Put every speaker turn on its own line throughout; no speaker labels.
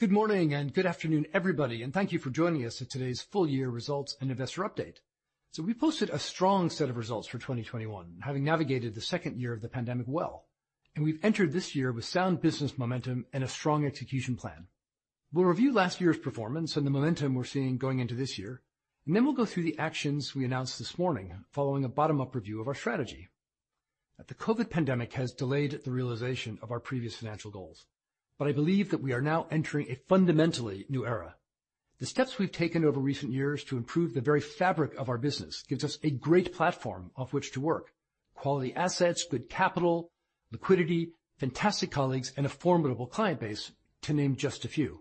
Good morning and good afternoon, everybody, and thank you for joining us at today's full year results and investor update. We posted a strong set of results for 2021, having navigated the second year of the pandemic well. We've entered this year with sound business momentum and a strong execution plan. We'll review last year's performance and the momentum we're seeing going into this year, and then we'll go through the actions we announced this morning following a bottom-up review of our strategy. The COVID pandemic has delayed the realization of our previous financial goals, but I believe that we are now entering a fundamentally new era. The steps we've taken over recent years to improve the very fabric of our business gives us a great platform of which to work, quality assets, good capital, liquidity, fantastic colleagues, and a formidable client base, to name just a few.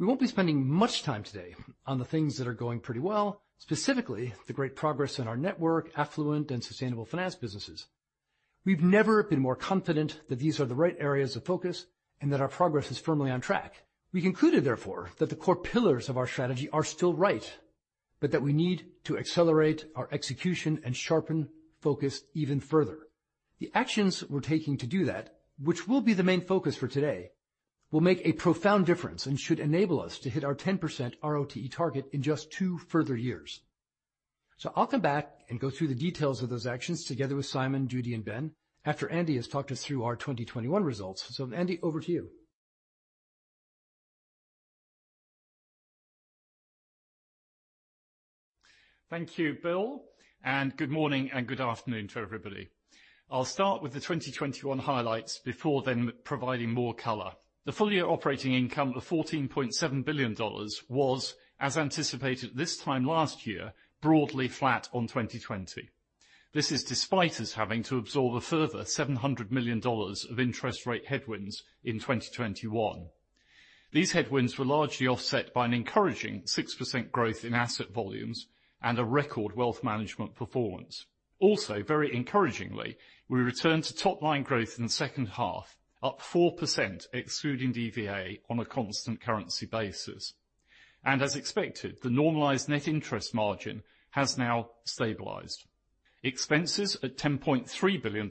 We won't be spending much time today on the things that are going pretty well, specifically the great progress in our network, affluent, and sustainable finance businesses. We've never been more confident that these are the right areas of focus and that our progress is firmly on track. We concluded, therefore, that the core pillars of our strategy are still right, but that we need to accelerate our execution and sharpen focus even further. The actions we're taking to do that, which will be the main focus for today, will make a profound difference and should enable us to hit our 10% RoTE target in just two further years. I'll come back and go through the details of those actions together with Simon, Judy, and Ben after Andy has talked us through our 2021 results. Andy, over to you.
Thank you, Bill, and good morning and good afternoon to everybody. I'll start with the 2021 highlights before then providing more color. The full year operating income of $14.7 billion was, as anticipated this time last year, broadly flat on 2020. This is despite us having to absorb a further $700 million of interest rate headwinds in 2021. These headwinds were largely offset by an encouraging 6% growth in asset volumes and a record wealth management performance. Also, very encouragingly, we returned to top line growth in the second half, up 4% excluding DVA on a constant currency basis. As expected, the normalized net interest margin has now stabilized. Expenses at $10.3 billion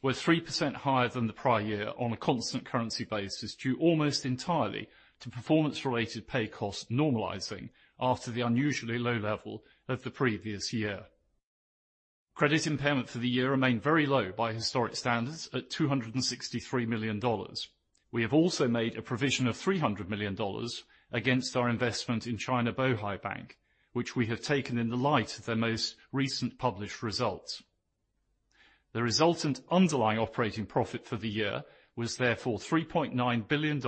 were 3% higher than the prior year on a constant currency basis due almost entirely to performance related pay costs normalizing after the unusually low level of the previous year. Credit impairment for the year remained very low by historic standards at $263 million. We have also made a provision of $300 million against our investment in China Bohai Bank, which we have taken in the light of their most recent published results. The resultant underlying operating profit for the year was therefore $3.9 billion,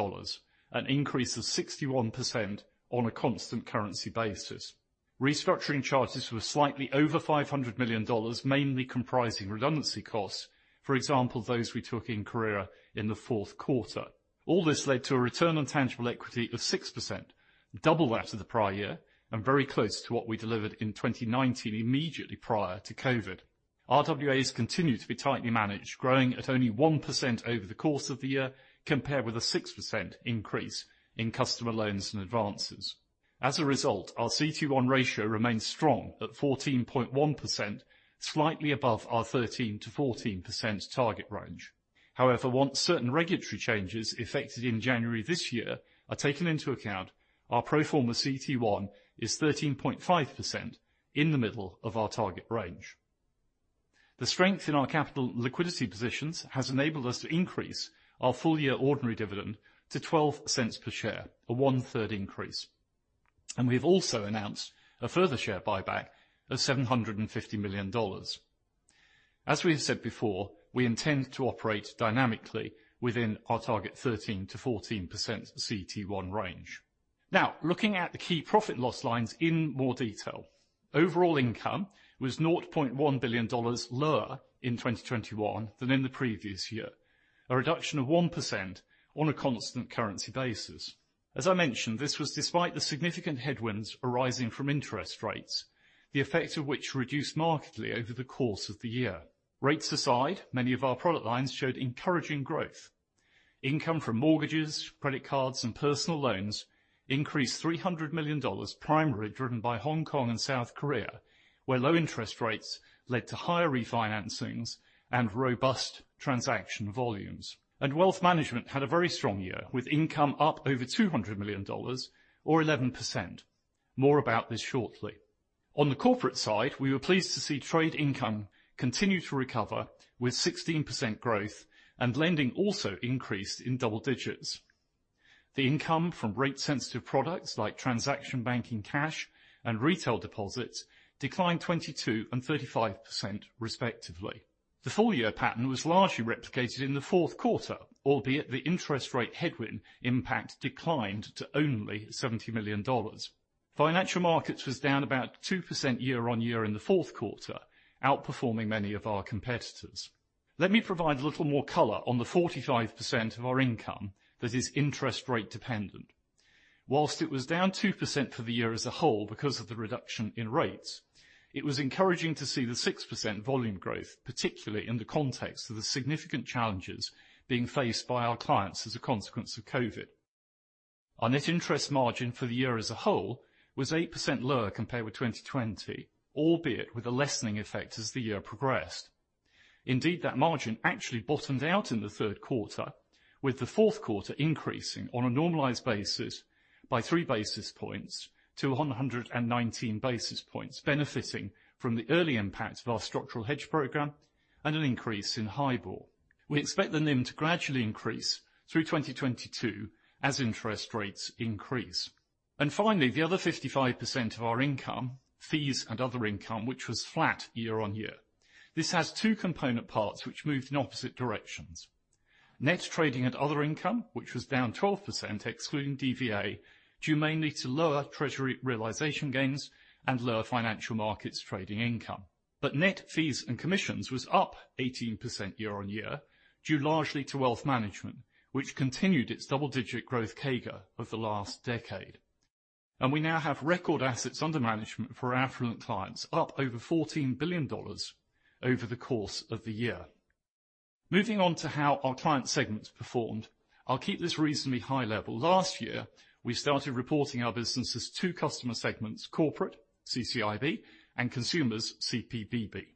an increase of 61% on a constant currency basis. Restructuring charges were slightly over $500 million, mainly comprising redundancy costs. For example, those we took in Korea in the fourth quarter. All this led to a return on tangible equity of 6%, double that of the prior year and very close to what we delivered in 2019 immediately prior to COVID. RWAs continue to be tightly managed, growing at only 1% over the course of the year compared with a 6% increase in customer loans and advances. As a result, our CET1 ratio remains strong at 14.1%, slightly above our 13%-14% target range. However, once certain regulatory changes effected in January this year are taken into account, our pro forma CET1 is 13.5% in the middle of our target range. The strength in our capital liquidity positions has enabled us to increase our full year ordinary dividend to $0.12 per share, a 1/3 increase. We have also announced a further share buyback of $750 million. As we have said before, we intend to operate dynamically within our target 13%-14% CET1 range. Now, looking at the key P&L lines in more detail, overall income was $0.1 billion lower in 2021 than in the previous year, a 1% reduction on a constant currency basis. As I mentioned, this was despite the significant headwinds arising from interest rates, the effect of which reduced markedly over the course of the year. Rates aside, many of our product lines showed encouraging growth. Income from mortgages, credit cards, and personal loans increased $300 million, primarily driven by Hong Kong and South Korea, where low interest rates led to higher refinancings and robust transaction volumes. Wealth management had a very strong year, with income up over $200 million or 11%. More about this shortly. On the corporate side, we were pleased to see trade income continue to recover with 16% growth and lending also increased in double digits. The income from rate sensitive products like transaction banking cash and retail deposits declined 22% and 35% respectively. The full year pattern was largely replicated in the fourth quarter, albeit the interest rate headwind impact declined to only $70 million. Financial markets was down about 2% year-on-year in the fourth quarter, outperforming many of our competitors. Let me provide a little more color on the 45% of our income that is interest rate dependent. While it was down 2% for the year as a whole because of the reduction in rates, it was encouraging to see the 6% volume growth, particularly in the context of the significant challenges being faced by our clients as a consequence of COVID. Our net interest margin for the year as a whole was 8% lower compared with 2020, albeit with a lessening effect as the year progressed. Indeed, that margin actually bottomed out in the third quarter, with the fourth quarter increasing on a normalized basis by 3 basis points to 119 basis points, benefiting from the early impact of our structural hedge program and an increase in HIBOR. We expect the NIM to gradually increase through 2022 as interest rates increase. Finally, the other 55% of our income, fees and other income, which was flat year on year. This has two component parts which moved in opposite directions. Net trading and other income, which was down 12% excluding DVA, due mainly to lower treasury realization gains and lower financial markets trading income. Net fees and commissions was up 18% year on year, due largely to wealth management, which continued its double-digit growth CAGR of the last decade. We now have record assets under management for our affluent clients, up over $14 billion over the course of the year. Moving on to how our client segments performed, I'll keep this reasonably high level. Last year, we started reporting our business as two customer segments: corporate, CCIB, and consumers, CPBB.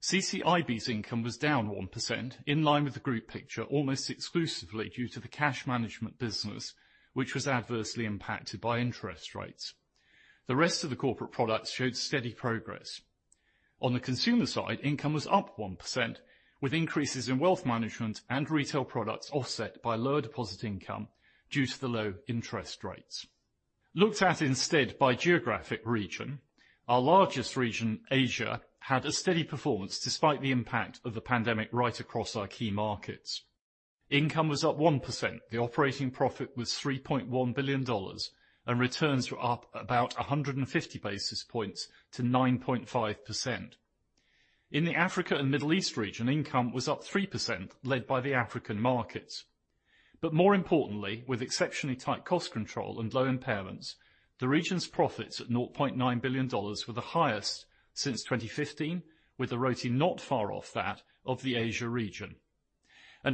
CCIB's income was down 1%, in line with the group picture, almost exclusively due to the cash management business, which was adversely impacted by interest rates. The rest of the corporate products showed steady progress. On the consumer side, income was up 1%, with increases in wealth management and retail products offset by lower deposit income due to the low interest rates. Looked at instead by geographic region, our largest region, Asia, had a steady performance despite the impact of the pandemic right across our key markets. Income was up 1%. The operating profit was $3.1 billion, and returns were up about 150 basis points to 9.5%. In the Africa and Middle East region, income was up 3%, led by the African markets. More importantly, with exceptionally tight cost control and low impairments, the region's profits at $0.9 billion were the highest since 2015, with the RoTE not far off that of the Asia region.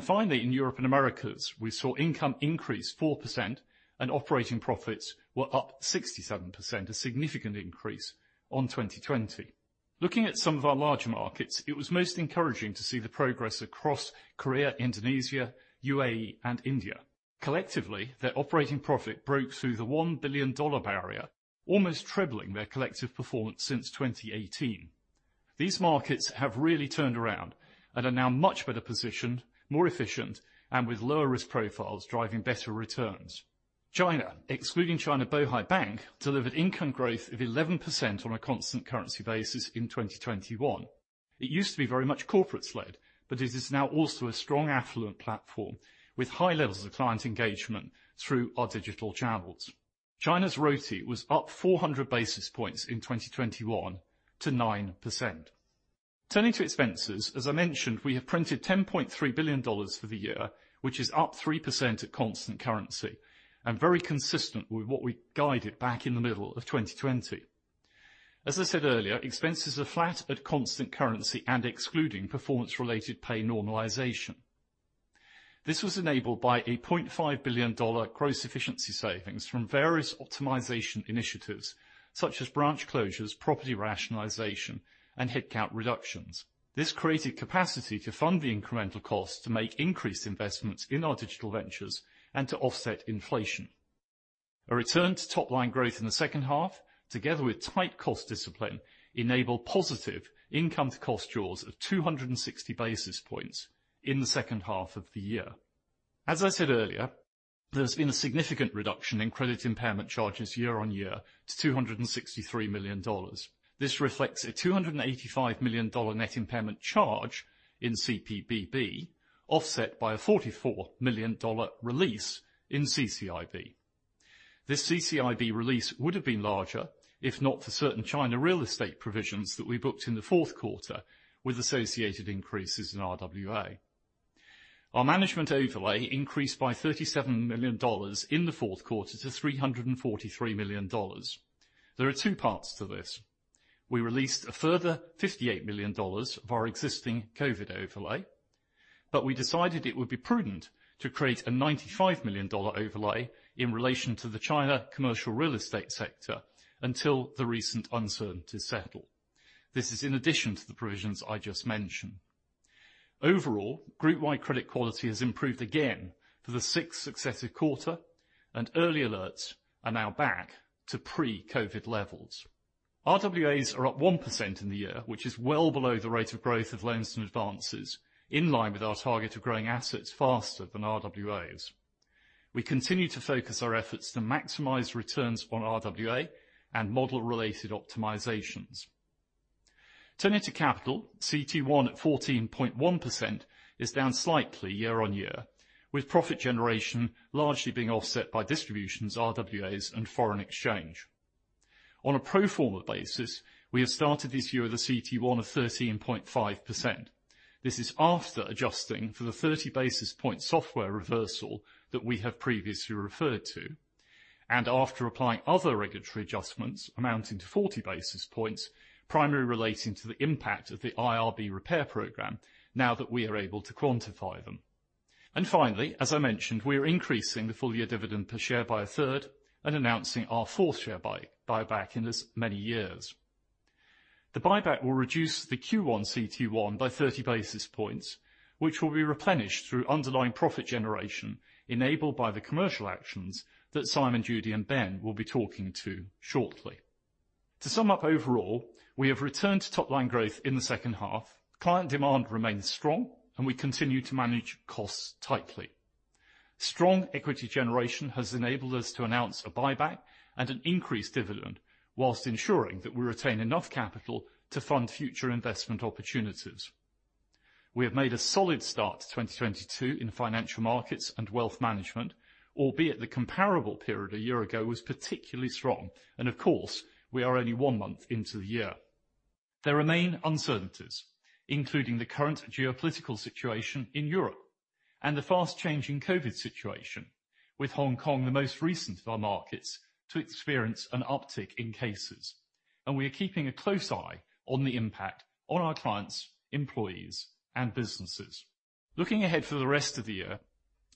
Finally, in Europe and Americas, we saw income increase 4% and operating profits were up 67%, a significant increase on 2020. Looking at some of our larger markets, it was most encouraging to see the progress across Korea, Indonesia, UAE, and India. Collectively, their operating profit broke through the $1 billion barrier, almost trebling their collective performance since 2018. These markets have really turned around and are now much better positioned, more efficient, and with lower risk profiles driving better returns. China, excluding China Bohai Bank, delivered income growth of 11% on a constant currency basis in 2021. It used to be very much corporate-led, but it is now also a strong affluent platform with high levels of client engagement through our digital channels. China's RoTE was up 400 basis points in 2021 to 9%. Turning to expenses, as I mentioned, we have printed $10.3 billion for the year, which is up 3% at constant currency, and very consistent with what we guided back in the middle of 2020. As I said earlier, expenses are flat at constant currency and excluding performance-related pay normalization. This was enabled by a $0.5 billion gross efficiency savings from various optimization initiatives such as branch closures, property rationalization, and headcount reductions. This created capacity to fund the incremental cost to make increased investments in our digital ventures and to offset inflation. A return to top-line growth in the second half, together with tight cost discipline, enabled positive income to cost jaws of 260 basis points in the second half of the year. As I said earlier, there's been a significant reduction in credit impairment charges year on year to $263 million. This reflects a $285 million net impairment charge in CPBB, offset by a $44 million release in CCIB. This CCIB release would have been larger if not for certain China real estate provisions that we booked in the fourth quarter with associated increases in RWA. Our management overlay increased by $37 million in the fourth quarter to $343 million. There are two parts to this. We released a further $58 million of our existing COVID overlay, but we decided it would be prudent to create a $95 million overlay in relation to the China commercial real estate sector until the recent uncertainties settle. This is in addition to the provisions I just mentioned. Overall, group wide credit quality has improved again for the sixth successive quarter, and early alerts are now back to pre-COVID levels. RWAs are up 1% in the year, which is well below the rate of growth of loans and advances, in line with our target of growing assets faster than RWAs. We continue to focus our efforts to maximize returns on RWA and model related optimizations. Turning to capital, CET1 at 14.1% is down slightly year-on-year, with profit generation largely being offset by distributions, RWAs, and foreign exchange. On a pro forma basis, we have started this year with a CET1 of 13.5%. This is after adjusting for the 30 basis point software reversal that we have previously referred to. After applying other regulatory adjustments amounting to 40 basis points, primarily relating to the impact of the IRB repair program now that we are able to quantify them. Finally, as I mentioned, we are increasing the full year dividend per share by1/3 and announcing our fourth share buyback in as many years. The buyback will reduce the Q1 CET1 by 30 basis points, which will be replenished through underlying profit generation enabled by the commercial actions that Simon, Judy, and Ben will be talking to shortly. To sum up overall, we have returned to top line growth in the second half. Client demand remains strong and we continue to manage costs tightly. Strong equity generation has enabled us to announce a buyback and an increased dividend while ensuring that we retain enough capital to fund future investment opportunities. We have made a solid start to 2022 in financial markets and wealth management, albeit the comparable period a year ago was particularly strong, and of course, we are only one month into the year. There remain uncertainties, including the current geopolitical situation in Europe and the fast-changing COVID situation, with Hong Kong the most recent of our markets to experience an uptick in cases. We are keeping a close eye on the impact on our clients, employees, and businesses. Looking ahead for the rest of the year,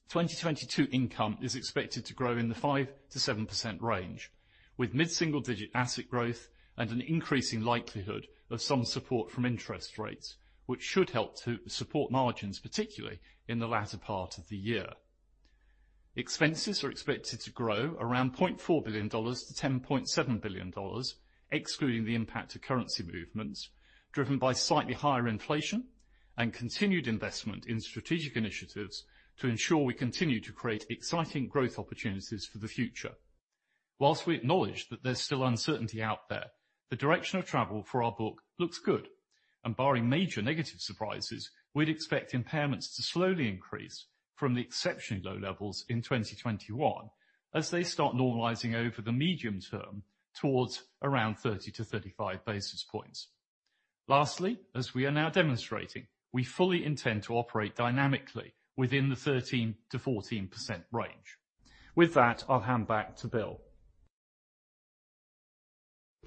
2022 income is expected to grow in the 5%-7% range, with mid-single digit asset growth and an increasing likelihood of some support from interest rates, which should help to support margins, particularly in the latter part of the year. Expenses are expected to grow around $0.4 billion-$10.7 billion, excluding the impact of currency movements driven by slightly higher inflation and continued investment in strategic initiatives to ensure we continue to create exciting growth opportunities for the future. While we acknowledge that there's still uncertainty out there, the direction of travel for our book looks good, and barring major negative surprises, we'd expect impairments to slowly increase from the exceptionally low levels in 2021 as they start normalizing over the medium term towards around 30-35 basis points. Lastly, as we are now demonstrating, we fully intend to operate dynamically within the 13%-14% range. With that, I'll hand back to Bill.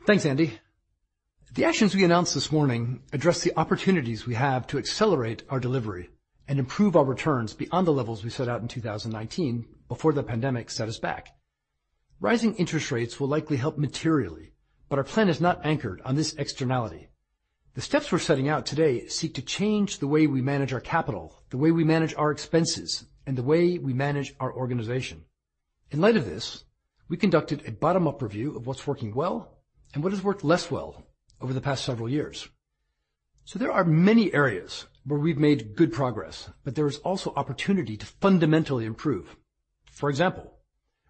Thanks, Andy. The actions we announced this morning address the opportunities we have to accelerate our delivery and improve our returns beyond the levels we set out in 2019 before the pandemic set us back. Rising interest rates will likely help materially, but our plan is not anchored on this externality. The steps we're setting out today seek to change the way we manage our capital, the way we manage our expenses, and the way we manage our organization. In light of this, we conducted a bottom-up review of what's working well and what has worked less well over the past several years. There are many areas where we've made good progress, but there is also opportunity to fundamentally improve. For example,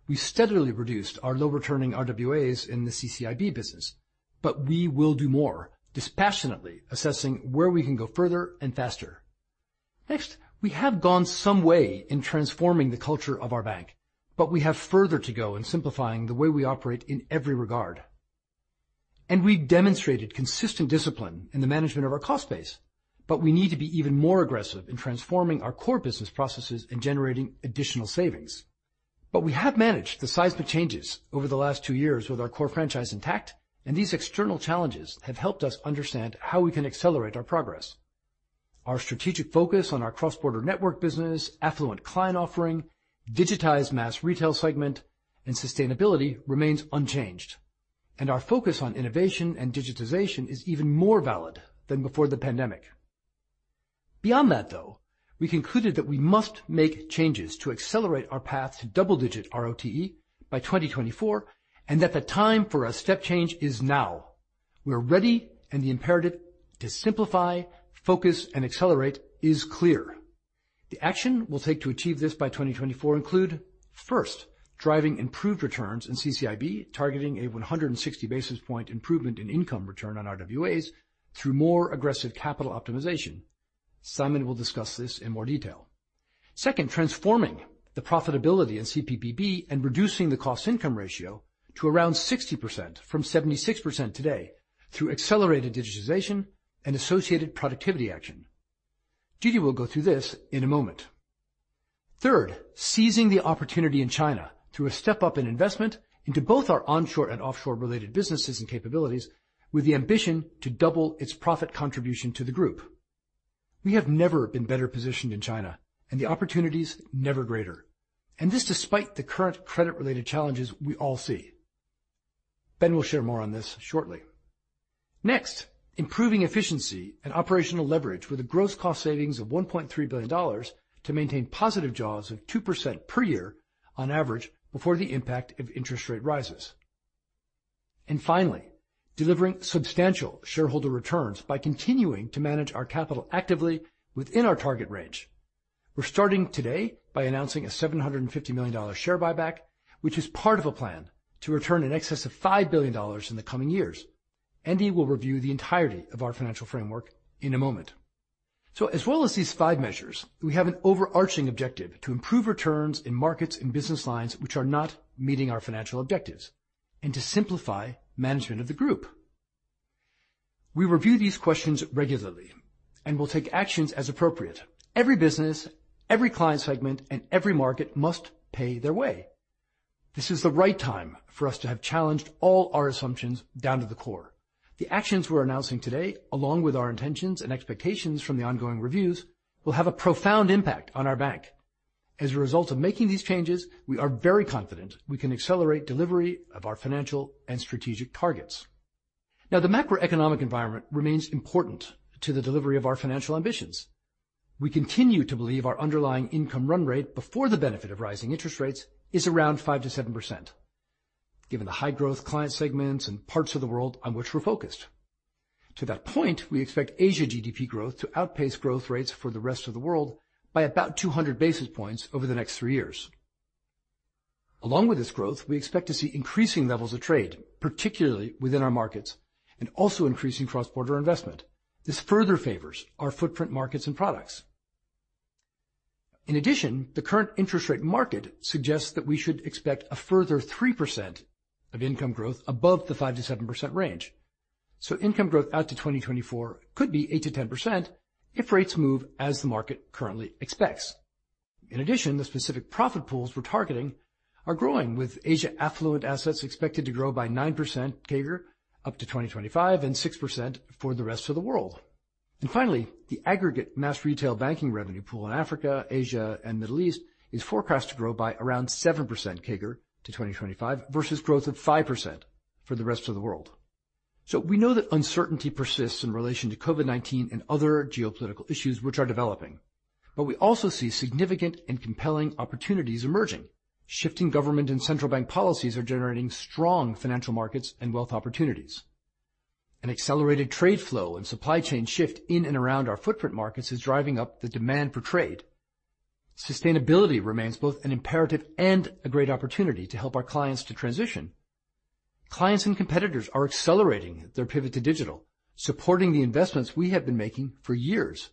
we steadily reduced our low returning RWAs in the CCIB business, but we will do more dispassionately assessing where we can go further and faster. Next, we have gone some way in transforming the culture of our bank, but we have further to go in simplifying the way we operate in every regard. We demonstrated consistent discipline in the management of our cost base, but we need to be even more aggressive in transforming our core business processes and generating additional savings. We have managed the seismic changes over the last two years with our core franchise intact, and these external challenges have helped us understand how we can accelerate our progress. Our strategic focus on our cross-border network business, affluent client offering, digitized mass retail segment, and sustainability remains unchanged, and our focus on innovation and digitization is even more valid than before the pandemic. Beyond that though, we concluded that we must make changes to accelerate our path to double-digit RoTE by 2024, and that the time for a step change is now. We are ready, and the imperative to simplify, focus, and accelerate is clear. The action we'll take to achieve this by 2024 include, first, driving improved returns in CCIB, targeting a 160 basis point improvement in income return on RWAs through more aggressive capital optimization. Simon will discuss this in more detail. Second, transforming the profitability in CPBB and reducing the cost income ratio to around 60% from 76% today through accelerated digitization and associated productivity action. Judy will go through this in a moment. Third, seizing the opportunity in China through a step up in investment into both our onshore and offshore related businesses and capabilities with the ambition to double its profit contribution to the group. We have never been better positioned in China and the opportunities never greater. This despite the current credit-related challenges we all see. Ben will share more on this shortly. Next, improving efficiency and operational leverage with a gross cost savings of $1.3 billion to maintain positive jaws of 2% per year on average before the impact of interest rate rises. Finally, delivering substantial shareholder returns by continuing to manage our capital actively within our target range. We're starting today by announcing a $750 million share buyback, which is part of a plan to return in excess of $5 billion in the coming years. Andy will review the entirety of our financial framework in a moment. As well as these five measures, we have an overarching objective to improve returns in markets and business lines which are not meeting our financial objectives and to simplify management of the group. We review these questions regularly and will take actions as appropriate. Every business, every client segment, and every market must pay their way. This is the right time for us to have challenged all our assumptions down to the core. The actions we're announcing today, along with our intentions and expectations from the ongoing reviews, will have a profound impact on our bank. As a result of making these changes, we are very confident we can accelerate delivery of our financial and strategic targets. Now, the macroeconomic environment remains important to the delivery of our financial ambitions. We continue to believe our underlying income run rate before the benefit of rising interest rates is around 5%-7%, given the high-growth client segments and parts of the world on which we're focused. To that point, we expect Asia GDP growth to outpace growth rates for the rest of the world by about 200 basis points over the next three years. Along with this growth, we expect to see increasing levels of trade, particularly within our markets, and also increasing cross-border investment. This further favors our footprint markets and products. In addition, the current interest rate market suggests that we should expect a further 3% of income growth above the 5%-7% range. Income growth out to 2024 could be 8%-10% if rates move as the market currently expects. In addition, the specific profit pools we're targeting are growing, with Asia affluent assets expected to grow by 9% CAGR up to 2025 and 6% for the rest of the world. Finally, the aggregate mass retail banking revenue pool in Africa, Asia, and Middle East is forecast to grow by around 7% CAGR to 2025 versus growth of 5% for the rest of the world. We know that uncertainty persists in relation to COVID-19 and other geopolitical issues which are developing, but we also see significant and compelling opportunities emerging. Shifting government and central bank policies are generating strong financial markets and wealth opportunities. An accelerated trade flow and supply chain shift in and around our footprint markets is driving up the demand for trade. Sustainability remains both an imperative and a great opportunity to help our clients to transition. Clients and competitors are accelerating their pivot to digital, supporting the investments we have been making for years.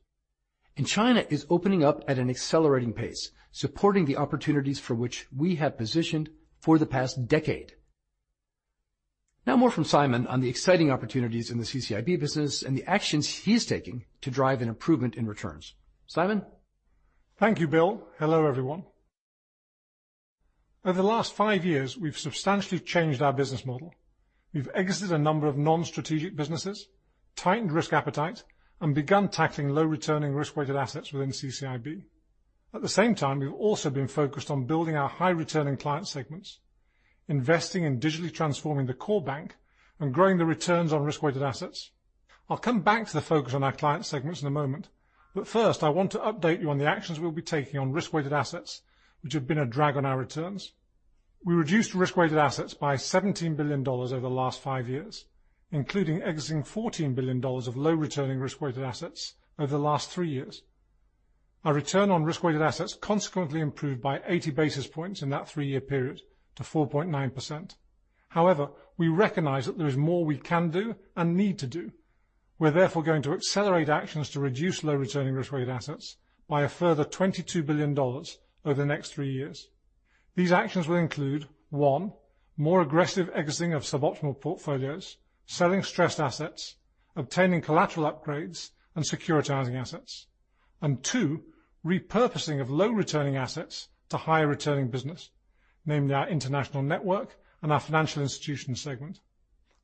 China is opening up at an accelerating pace, supporting the opportunities for which we have positioned for the past decade. Now more from Simon on the exciting opportunities in the CCIB business and the actions he's taking to drive an improvement in returns. Simon?
Thank you, Bill. Hello, everyone. Over the last five years, we've substantially changed our business model. We've exited a number of non-strategic businesses, tightened risk appetite, and begun tackling low returning risk-weighted assets within CCIB. At the same time, we've also been focused on building our high returning client segments, investing in digitally transforming the core bank, and growing the returns on risk-weighted assets. I'll come back to the focus on our client segments in a moment, but first, I want to update you on the actions we'll be taking on risk-weighted assets, which have been a drag on our returns. We reduced risk-weighted assets by $17 billion over the last five years, including exiting $14 billion of low returning risk-weighted assets over the last three years. Our return on risk-weighted assets consequently improved by 80 basis points in that three-year period to 4.9%. However, we recognize that there is more we can do and need to do. We're therefore going to accelerate actions to reduce low returning risk-weighted assets by a further $22 billion over the next three years. These actions will include one, more aggressive exiting of suboptimal portfolios, selling stressed assets, obtaining collateral upgrades, and securitizing assets, and two, repurposing of low returning assets to high returning business, namely our international network and our financial institutions segment.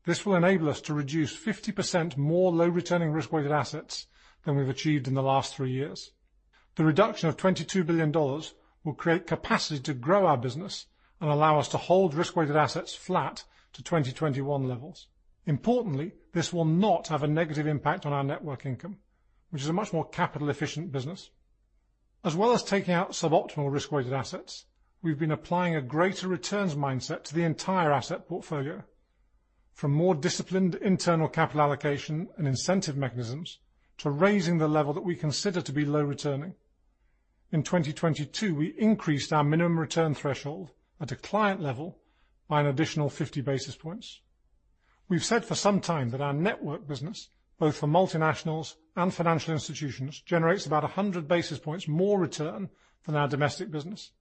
This will enable us to reduce 50% more low returning risk-weighted assets than we've achieved in the last three years. The reduction of $22 billion will create capacity to grow our business and allow us to hold risk-weighted assets flat to 2021 levels. Importantly, this will not have a negative impact on our network income, which is a much more capital efficient business. As well as taking out suboptimal risk-weighted assets, we've been applying a greater returns mindset to the entire asset portfolio, from more disciplined internal capital allocation and incentive mechanisms to raising the level that we consider to be low returning. In 2022, we increased our minimum return threshold at a client level by an additional 50 basis points. We've said for some time that our network business, both for multinationals and financial institutions, generates about 100 basis points more return than our domestic business.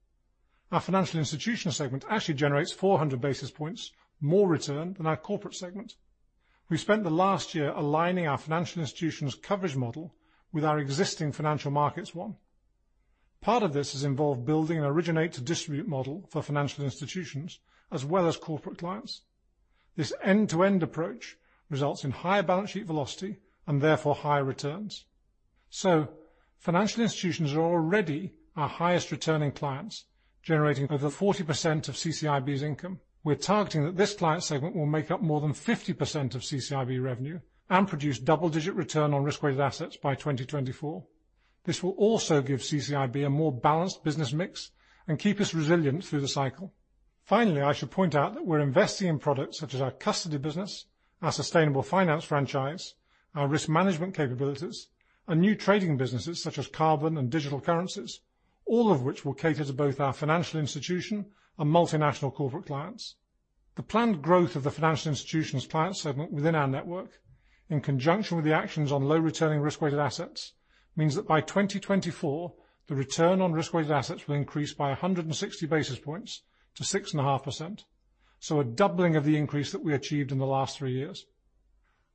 Our financial institution segment actually generates 400 basis points more return than our corporate segment. We spent the last year aligning our financial institutions coverage model with our existing financial markets one. Part of this has involved building an originate to distribute model for financial institutions as well as corporate clients. This end-to-end approach results in higher balance sheet velocity and therefore higher returns. Financial institutions are already our highest returning clients, generating over 40% of CCIB's income. We're targeting that this client segment will make up more than 50% of CCIB revenue and produce double-digit return on risk-weighted assets by 2024. This will also give CCIB a more balanced business mix and keep us resilient through the cycle. Finally, I should point out that we're investing in products such as our custody business, our sustainable finance franchise, our risk management capabilities, and new trading businesses such as carbon and digital currencies, all of which will cater to both our financial institution and multinational corporate clients. The planned growth of the financial institutions client segment within our network, in conjunction with the actions on low returning risk-weighted assets, means that by 2024, the return on risk-weighted assets will increase by 160 basis points to 6.5%. A doubling of the increase that we achieved in the last three years.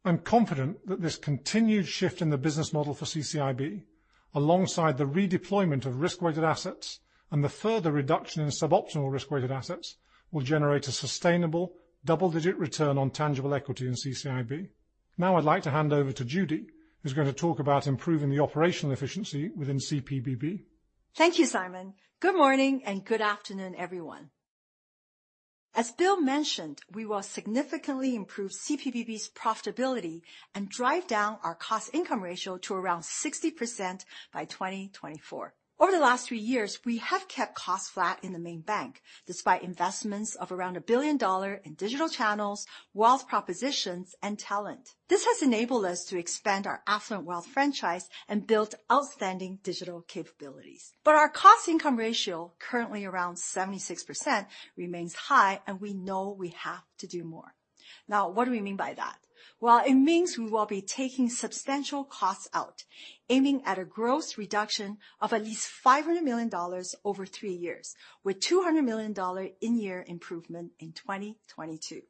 I'm confident that this continued shift in the business model for CCIB, alongside the redeployment of risk-weighted assets and the further reduction in sub-optimal risk-weighted assets, will generate a sustainable double-digit return on tangible equity in CCIB. Now I'd like to hand over to Judy, who's gonna talk about improving the operational efficiency within CPBB.
Thank you, Simon. Good morning and good afternoon, everyone. As Bill mentioned, we will significantly improve CPBB's profitability and drive down our cost-income ratio to around 60% by 2024. Over the last three years, we have kept costs flat in the main bank, despite investments of around $1 billion in digital channels, wealth propositions, and talent. This has enabled us to expand our affluent wealth franchise and build outstanding digital capabilities. Our cost-income ratio, currently around 76%, remains high, and we know we have to do more. Now, what do we mean by that? Well, it means we will be taking substantial costs out, aiming at a gross reduction of at least $500 million over three years, with $200 million in-year improvement in 2022.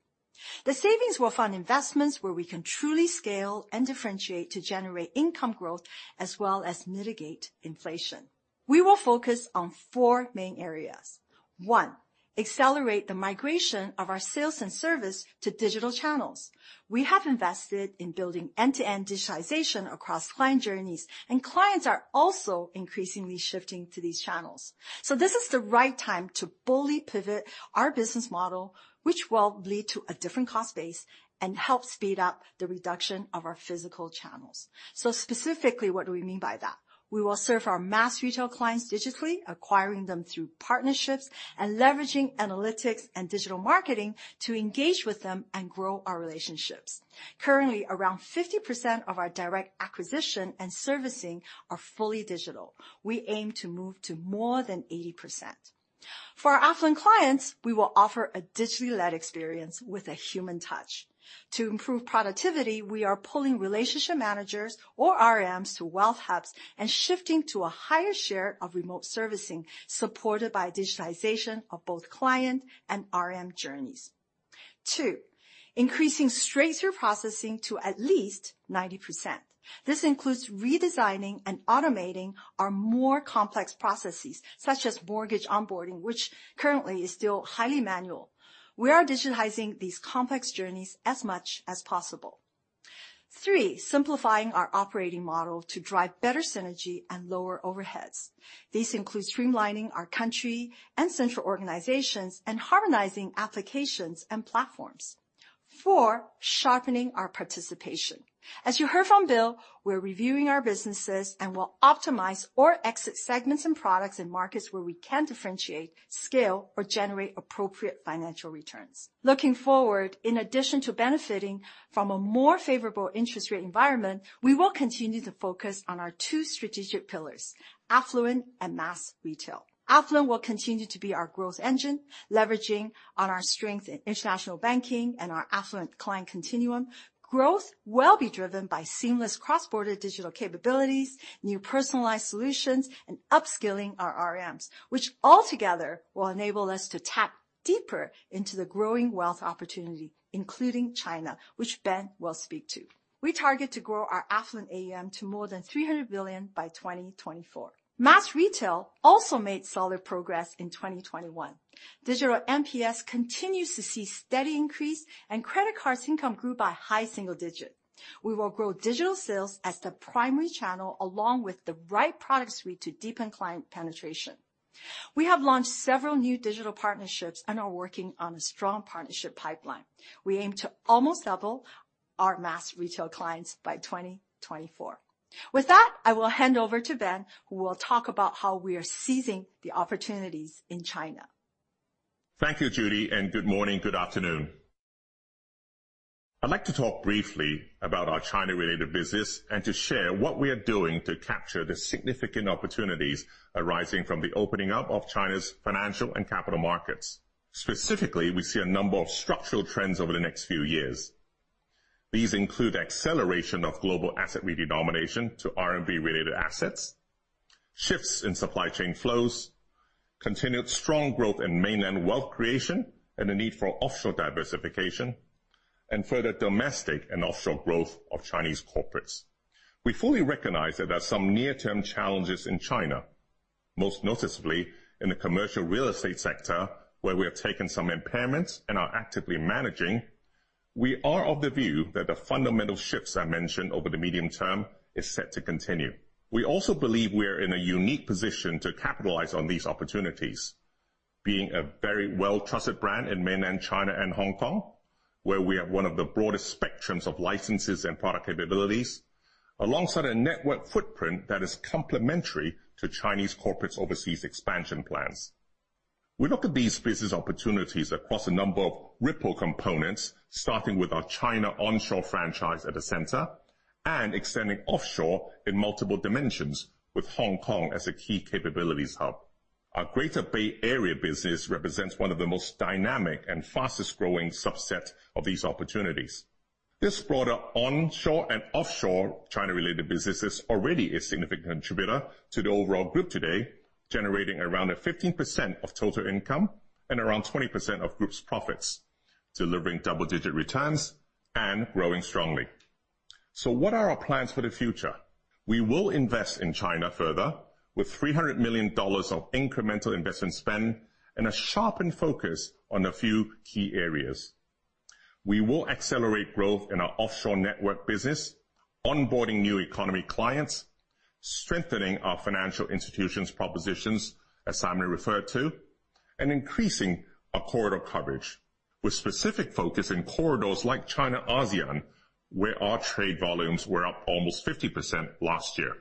The savings will fund investments where we can truly scale and differentiate to generate income growth, as well as mitigate inflation. We will focus on four main areas. One, accelerate the migration of our sales and service to digital channels. We have invested in building end-to-end digitalization across client journeys, and clients are also increasingly shifting to these channels. This is the right time to fully pivot our business model, which will lead to a different cost base and help speed up the reduction of our physical channels. Specifically, what do we mean by that? We will serve our mass retail clients digitally, acquiring them through partnerships and leveraging analytics and digital marketing to engage with them and grow our relationships. Currently, around 50% of our direct acquisition and servicing are fully digital. We aim to move to more than 80%. For our affluent clients, we will offer a digitally-led experience with a human touch. To improve productivity, we are pulling relationship managers or RMs to wealth hubs and shifting to a higher share of remote servicing, supported by digitalization of both client and RM journeys. Two, increasing straight-through processing to at least 90%. This includes redesigning and automating our more complex processes, such as mortgage onboarding, which currently is still highly manual. We are digitizing these complex journeys as much as possible. Three, simplifying our operating model to drive better synergy and lower overheads. This includes streamlining our country and central organizations and harmonizing applications and platforms. Four, sharpening our participation. As you heard from Bill, we're reviewing our businesses and will optimize or exit segments and products in markets where we can't differentiate, scale, or generate appropriate financial returns. Looking forward, in addition to benefiting from a more favorable interest rate environment, we will continue to focus on our two strategic pillars, affluent and mass retail. Affluent will continue to be our growth engine, leveraging on our strength in international banking and our affluent client continuum. Growth will be driven by seamless cross-border digital capabilities, new personalized solutions, and upskilling our RMs, which altogether will enable us to tap deeper into the growing wealth opportunity, including China, which Ben will speak to. We target to grow our affluent AUM to more than $300 billion by 2024. Mass retail also made solid progress in 2021. Digital NPS continues to see steady increase, and credit cards income grew by high single digit. We will grow digital sales as the primary channel, along with the right product suite to deepen client penetration. We have launched several new digital partnerships and are working on a strong partnership pipeline. We aim to almost double our mass retail clients by 2024. With that, I will hand over to Ben, who will talk about how we are seizing the opportunities in China.
Thank you, Judy, and good morning, good afternoon. I'd like to talk briefly about our China-related business and to share what we are doing to capture the significant opportunities arising from the opening up of China's financial and capital markets. Specifically, we see a number of structural trends over the next few years. These include acceleration of global asset redenomination to RMB-related assets, shifts in supply chain flows, continued strong growth in mainland wealth creation, and the need for offshore diversification, and further domestic and offshore growth of Chinese corporates. We fully recognize that there are some near-term challenges in China, most noticeably in the commercial real estate sector, where we have taken some impairments and are actively managing. We are of the view that the fundamental shifts I mentioned over the medium term is set to continue. We also believe we are in a unique position to capitalize on these opportunities. Being a very well-trusted brand in mainland China and Hong Kong, where we have one of the broadest spectrums of licenses and product capabilities, alongside a network footprint that is complementary to Chinese corporates' overseas expansion plans. We look at these business opportunities across a number of pillar components, starting with our China onshore franchise at the center and extending offshore in multiple dimensions with Hong Kong as a key capabilities hub. Our Greater Bay Area business represents one of the most dynamic and fastest-growing subset of these opportunities. This broader onshore and offshore China-related business is already a significant contributor to the overall group today, generating around 15% of total income, and around 20% of group's profits, delivering double-digit returns and growing strongly. What are our plans for the future? We will invest in China further, with $300 million of incremental investment spend and a sharpened focus on a few key areas. We will accelerate growth in our offshore network business, onboarding new economy clients, strengthening our financial institutions propositions, as Simon referred to, and increasing our corridor coverage, with specific focus in corridors like China, ASEAN, where our trade volumes were up almost 50% last year.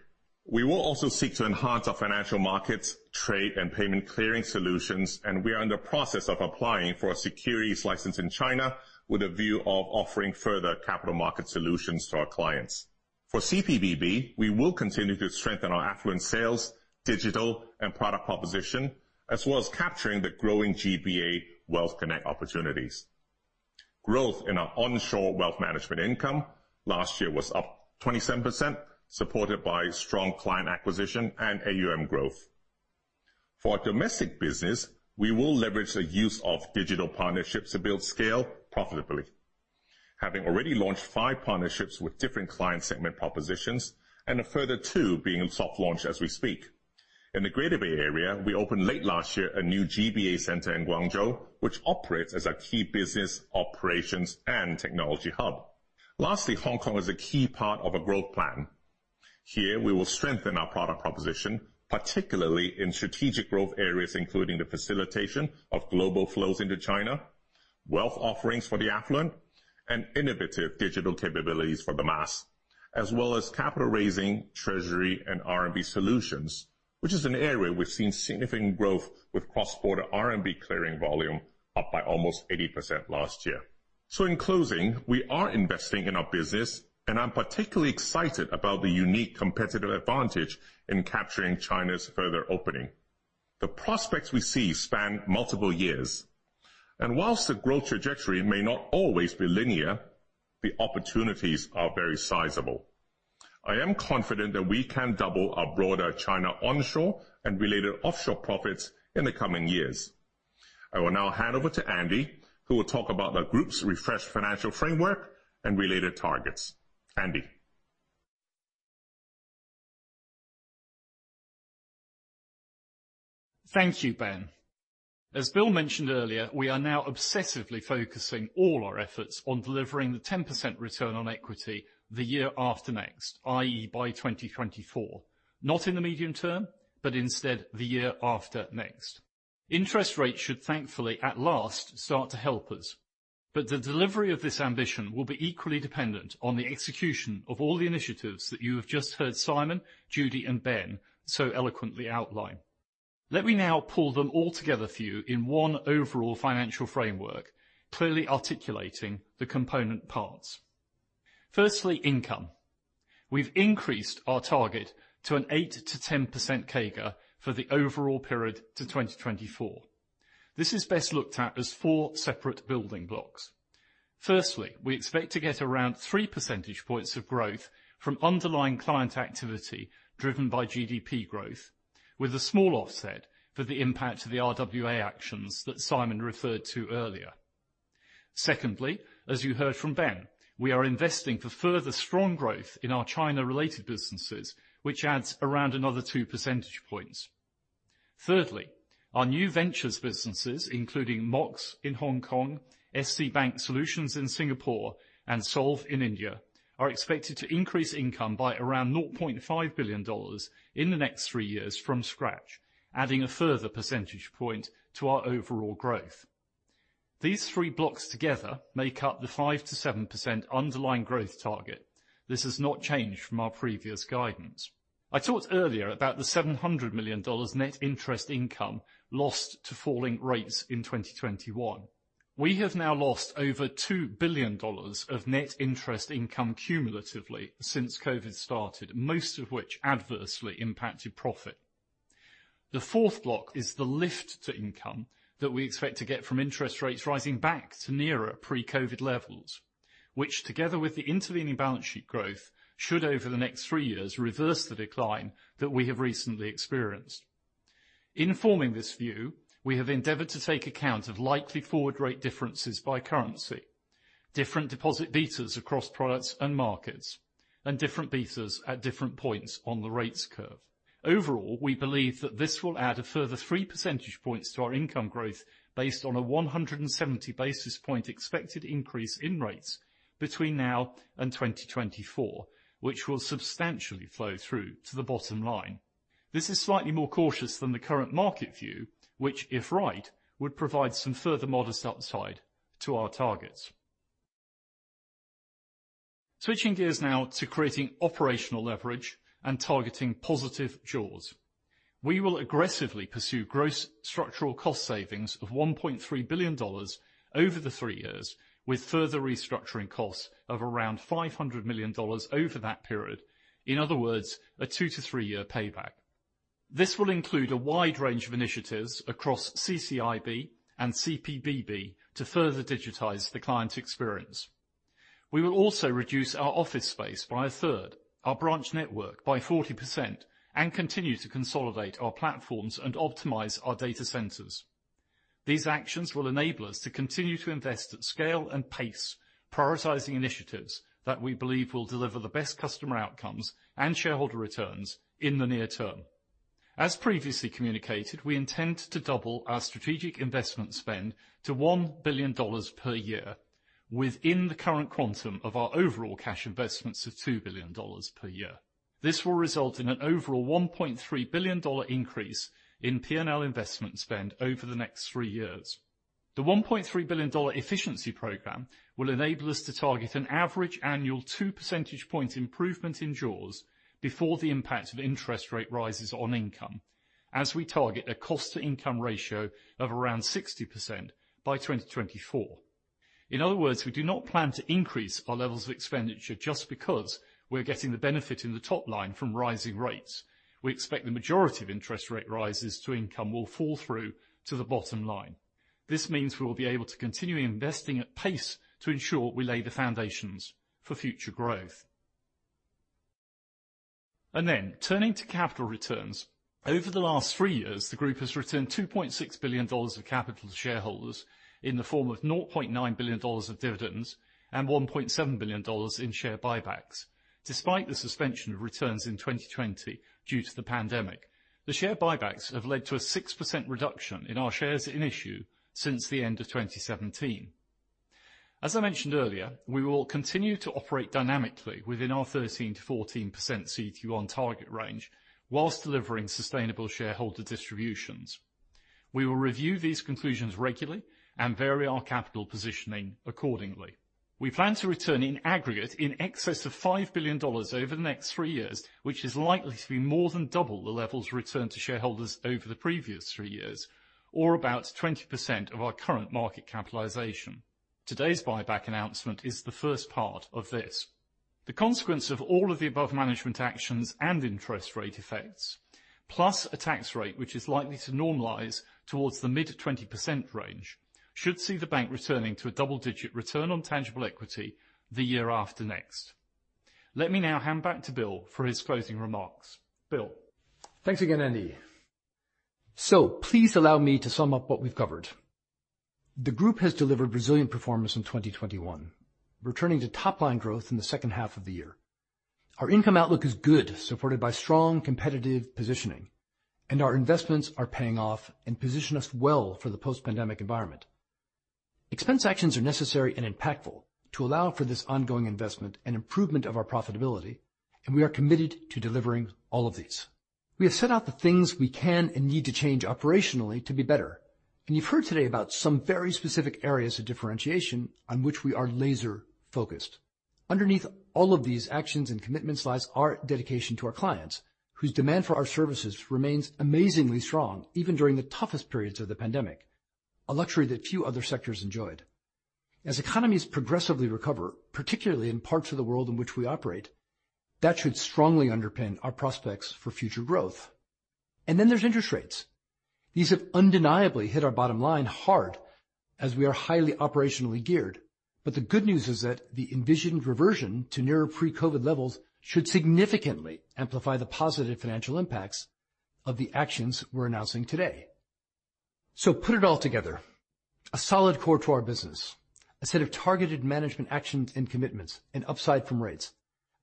We will also seek to enhance our financial markets, trade, and payment clearing solutions, and we are in the process of applying for a securities license in China with a view of offering further capital market solutions to our clients. For CPBB, we will continue to strengthen our affluent sales, digital, and product proposition, as well as capturing the growing GBA Wealth Connect opportunities. Growth in our onshore wealth management income last year was up 27%, supported by strong client acquisition and AUM growth. For our domestic business, we will leverage the use of digital partnerships to build scale profitably, having already launched five partnerships with different client segment propositions and a further two being in soft launch as we speak. In the Greater Bay Area, we opened late last year a new GBA center in Guangzhou, which operates as our key business operations and technology hub. Lastly, Hong Kong is a key part of our growth plan. Here, we will strengthen our product proposition, particularly in strategic growth areas, including the facilitation of global flows into China, wealth offerings for the affluent, and innovative digital capabilities for the mass, as well as capital raising, treasury, and RMB solutions, which is an area we've seen significant growth with cross-border RMB clearing volume up by almost 80% last year. In closing, we are investing in our business, and I'm particularly excited about the unique competitive advantage in capturing China's further opening. The prospects we see span multiple years, and while the growth trajectory may not always be linear, the opportunities are very sizable. I am confident that we can double our broader China onshore and related offshore profits in the coming years. I will now hand over to Andy, who will talk about the group's refreshed financial framework and related targets. Andy?
Thank you, Ben. As Bill mentioned earlier, we are now obsessively focusing all our efforts on delivering the 10% return on equity the year after next, i.e., by 2024. Not in the medium term, instead the year after next. Interest rates should thankfully, at last, start to help us. The delivery of this ambition will be equally dependent on the execution of all the initiatives that you have just heard Simon, Judy, and Ben so eloquently outline. Let me now pull them all together for you in one overall financial framework, clearly articulating the component parts. Firstly, income. We've increased our target to an 8%-10% CAGR for the overall period to 2024. This is best looked at as four separate building blocks. We expect to get around 3 percentage points of growth from underlying client activity driven by GDP growth, with a small offset for the impact of the RWA actions that Simon referred to earlier. As you heard from Ben, we are investing for further strong growth in our China-related businesses, which adds around another 2 percentage points. Our new ventures businesses, including Mox in Hong Kong, SC Bank Solutions in Singapore, and Solv in India, are expected to increase income by around $0.5 billion in the next three years from scratch, adding a further percentage point to our overall growth. These three blocks together make up the 5%-7% underlying growth target. This has not changed from our previous guidance. I talked earlier about the $700 million net interest income lost to falling rates in 2021. We have now lost over $2 billion of net interest income cumulatively since COVID started, most of which adversely impacted profit. The fourth block is the lift to income that we expect to get from interest rates rising back to nearer pre-COVID levels, which together with the intervening balance sheet growth, should over the next three years reverse the decline that we have recently experienced. Informing this view, we have endeavored to take account of likely forward rate differences by currency, different deposit betas across products and markets, and different betas at different points on the rates curve. Overall, we believe that this will add a further 3 percentage points to our income growth based on a 170 basis point expected increase in rates between now and 2024, which will substantially flow through to the bottom line. This is slightly more cautious than the current market view, which if right, would provide some further modest upside to our targets. Switching gears now to creating operational leverage and targeting positive jaws. We will aggressively pursue gross structural cost savings of $1.3 billion over the three years with further restructuring costs of around $500 million over that period. In other words, a two to three-year payback. This will include a wide range of initiatives across CCIB and CPBB to further digitize the client experience. We will also reduce our office space by 1/3, our branch network by 40%, and continue to consolidate our platforms and optimize our data centers. These actions will enable us to continue to invest at scale and pace, prioritizing initiatives that we believe will deliver the best customer outcomes and shareholder returns in the near term. As previously communicated, we intend to double our strategic investment spend to $1 billion per year within the current quantum of our overall cash investments of $2 billion per year. This will result in an overall $1.3 billion increase in P&L investment spend over the next three years. The $1.3 billion efficiency program will enable us to target an average annual 2 percentage point improvement in jaws before the impact of interest rate rises on income as we target a cost-to-income ratio of around 60% by 2024. In other words, we do not plan to increase our levels of expenditure just because we're getting the benefit in the top line from rising rates. We expect the majority of interest rate rises to income will fall through to the bottom line. This means we will be able to continue investing at pace to ensure we lay the foundations for future growth. Turning to capital returns. Over the last three years, the group has returned $2.6 billion of capital to shareholders in the form of $0.9 billion of dividends and $1.7 billion in share buybacks, despite the suspension of returns in 2020 due to the pandemic. The share buybacks have led to a 6% reduction in our shares in issue since the end of 2017. As I mentioned earlier, we will continue to operate dynamically within our 13%-14% CET1 target range while delivering sustainable shareholder distributions. We will review these conclusions regularly and vary our capital positioning accordingly. We plan to return in aggregate in excess of $5 billion over the next three years, which is likely to be more than double the levels returned to shareholders over the previous three years, or about 20% of our current market capitalization. Today's buyback announcement is the first part of this. The consequence of all of the above management actions and interest rate effects, plus a tax rate which is likely to normalize towards the mid-20% range, should see the bank returning to a double-digit return on tangible equity the year after next. Let me now hand back to Bill for his closing remarks. Bill?
Thanks again, Andy. Please allow me to sum up what we've covered. The group has delivered resilient performance in 2021, returning to top-line growth in the second half of the year. Our income outlook is good, supported by strong competitive positioning, and our investments are paying off and position us well for the post-pandemic environment. Expense actions are necessary and impactful to allow for this ongoing investment and improvement of our profitability, and we are committed to delivering all of these. We have set out the things we can and need to change operationally to be better. You've heard today about some very specific areas of differentiation on which we are laser-focused. Underneath all of these actions and commitments lies our dedication to our clients, whose demand for our services remains amazingly strong, even during the toughest periods of the pandemic, a luxury that few other sectors enjoyed. As economies progressively recover, particularly in parts of the world in which we operate, that should strongly underpin our prospects for future growth. Then there's interest rates. These have undeniably hit our bottom line hard as we are highly operationally geared. The good news is that the envisioned reversion to nearer pre-COVID-19 levels should significantly amplify the positive financial impacts of the actions we're announcing today. Put it all together, a solid core to our business, a set of targeted management actions and commitments, and upside from rates.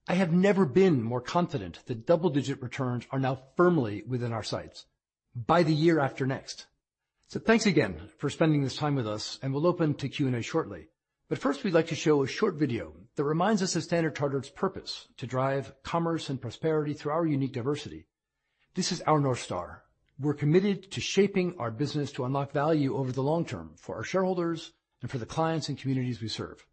I have never been more confident that double-digit returns are now firmly within our sights by the year after next. Thanks again for spending this time with us, and we'll open to Q&A shortly. First, we'd like to show a short video that reminds us of Standard Chartered's purpose to drive commerce and prosperity through our unique diversity. This is our North Star. We're committed to shaping our business to unlock value over the long term for our shareholders and for the clients and communities we serve.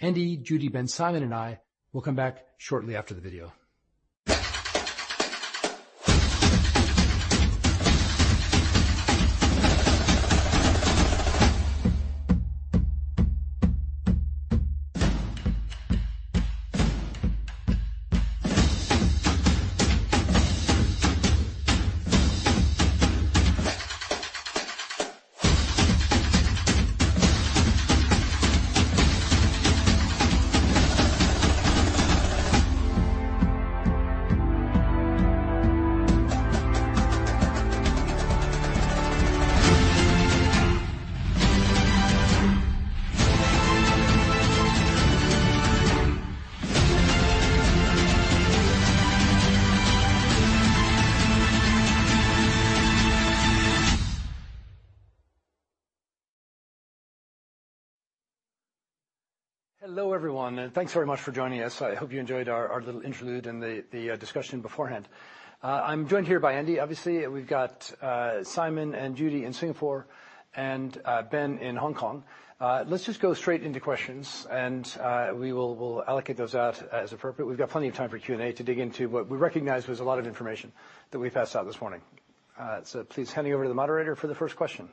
Andy, Judy, Ben, Simon, and I will come back shortly after the video. Hello, everyone, and thanks very much for joining us. I hope you enjoyed our little interlude and the discussion beforehand. I'm joined here by Andy. Obviously, we've got Simon and Judy in Singapore and Ben in Hong Kong. Let's just go straight into questions, and we'll allocate those out as appropriate. We've got plenty of time for Q&A to dig into, but we recognize there's a lot of information that we've passed out this morning. So, please handing over to the moderator for the first question.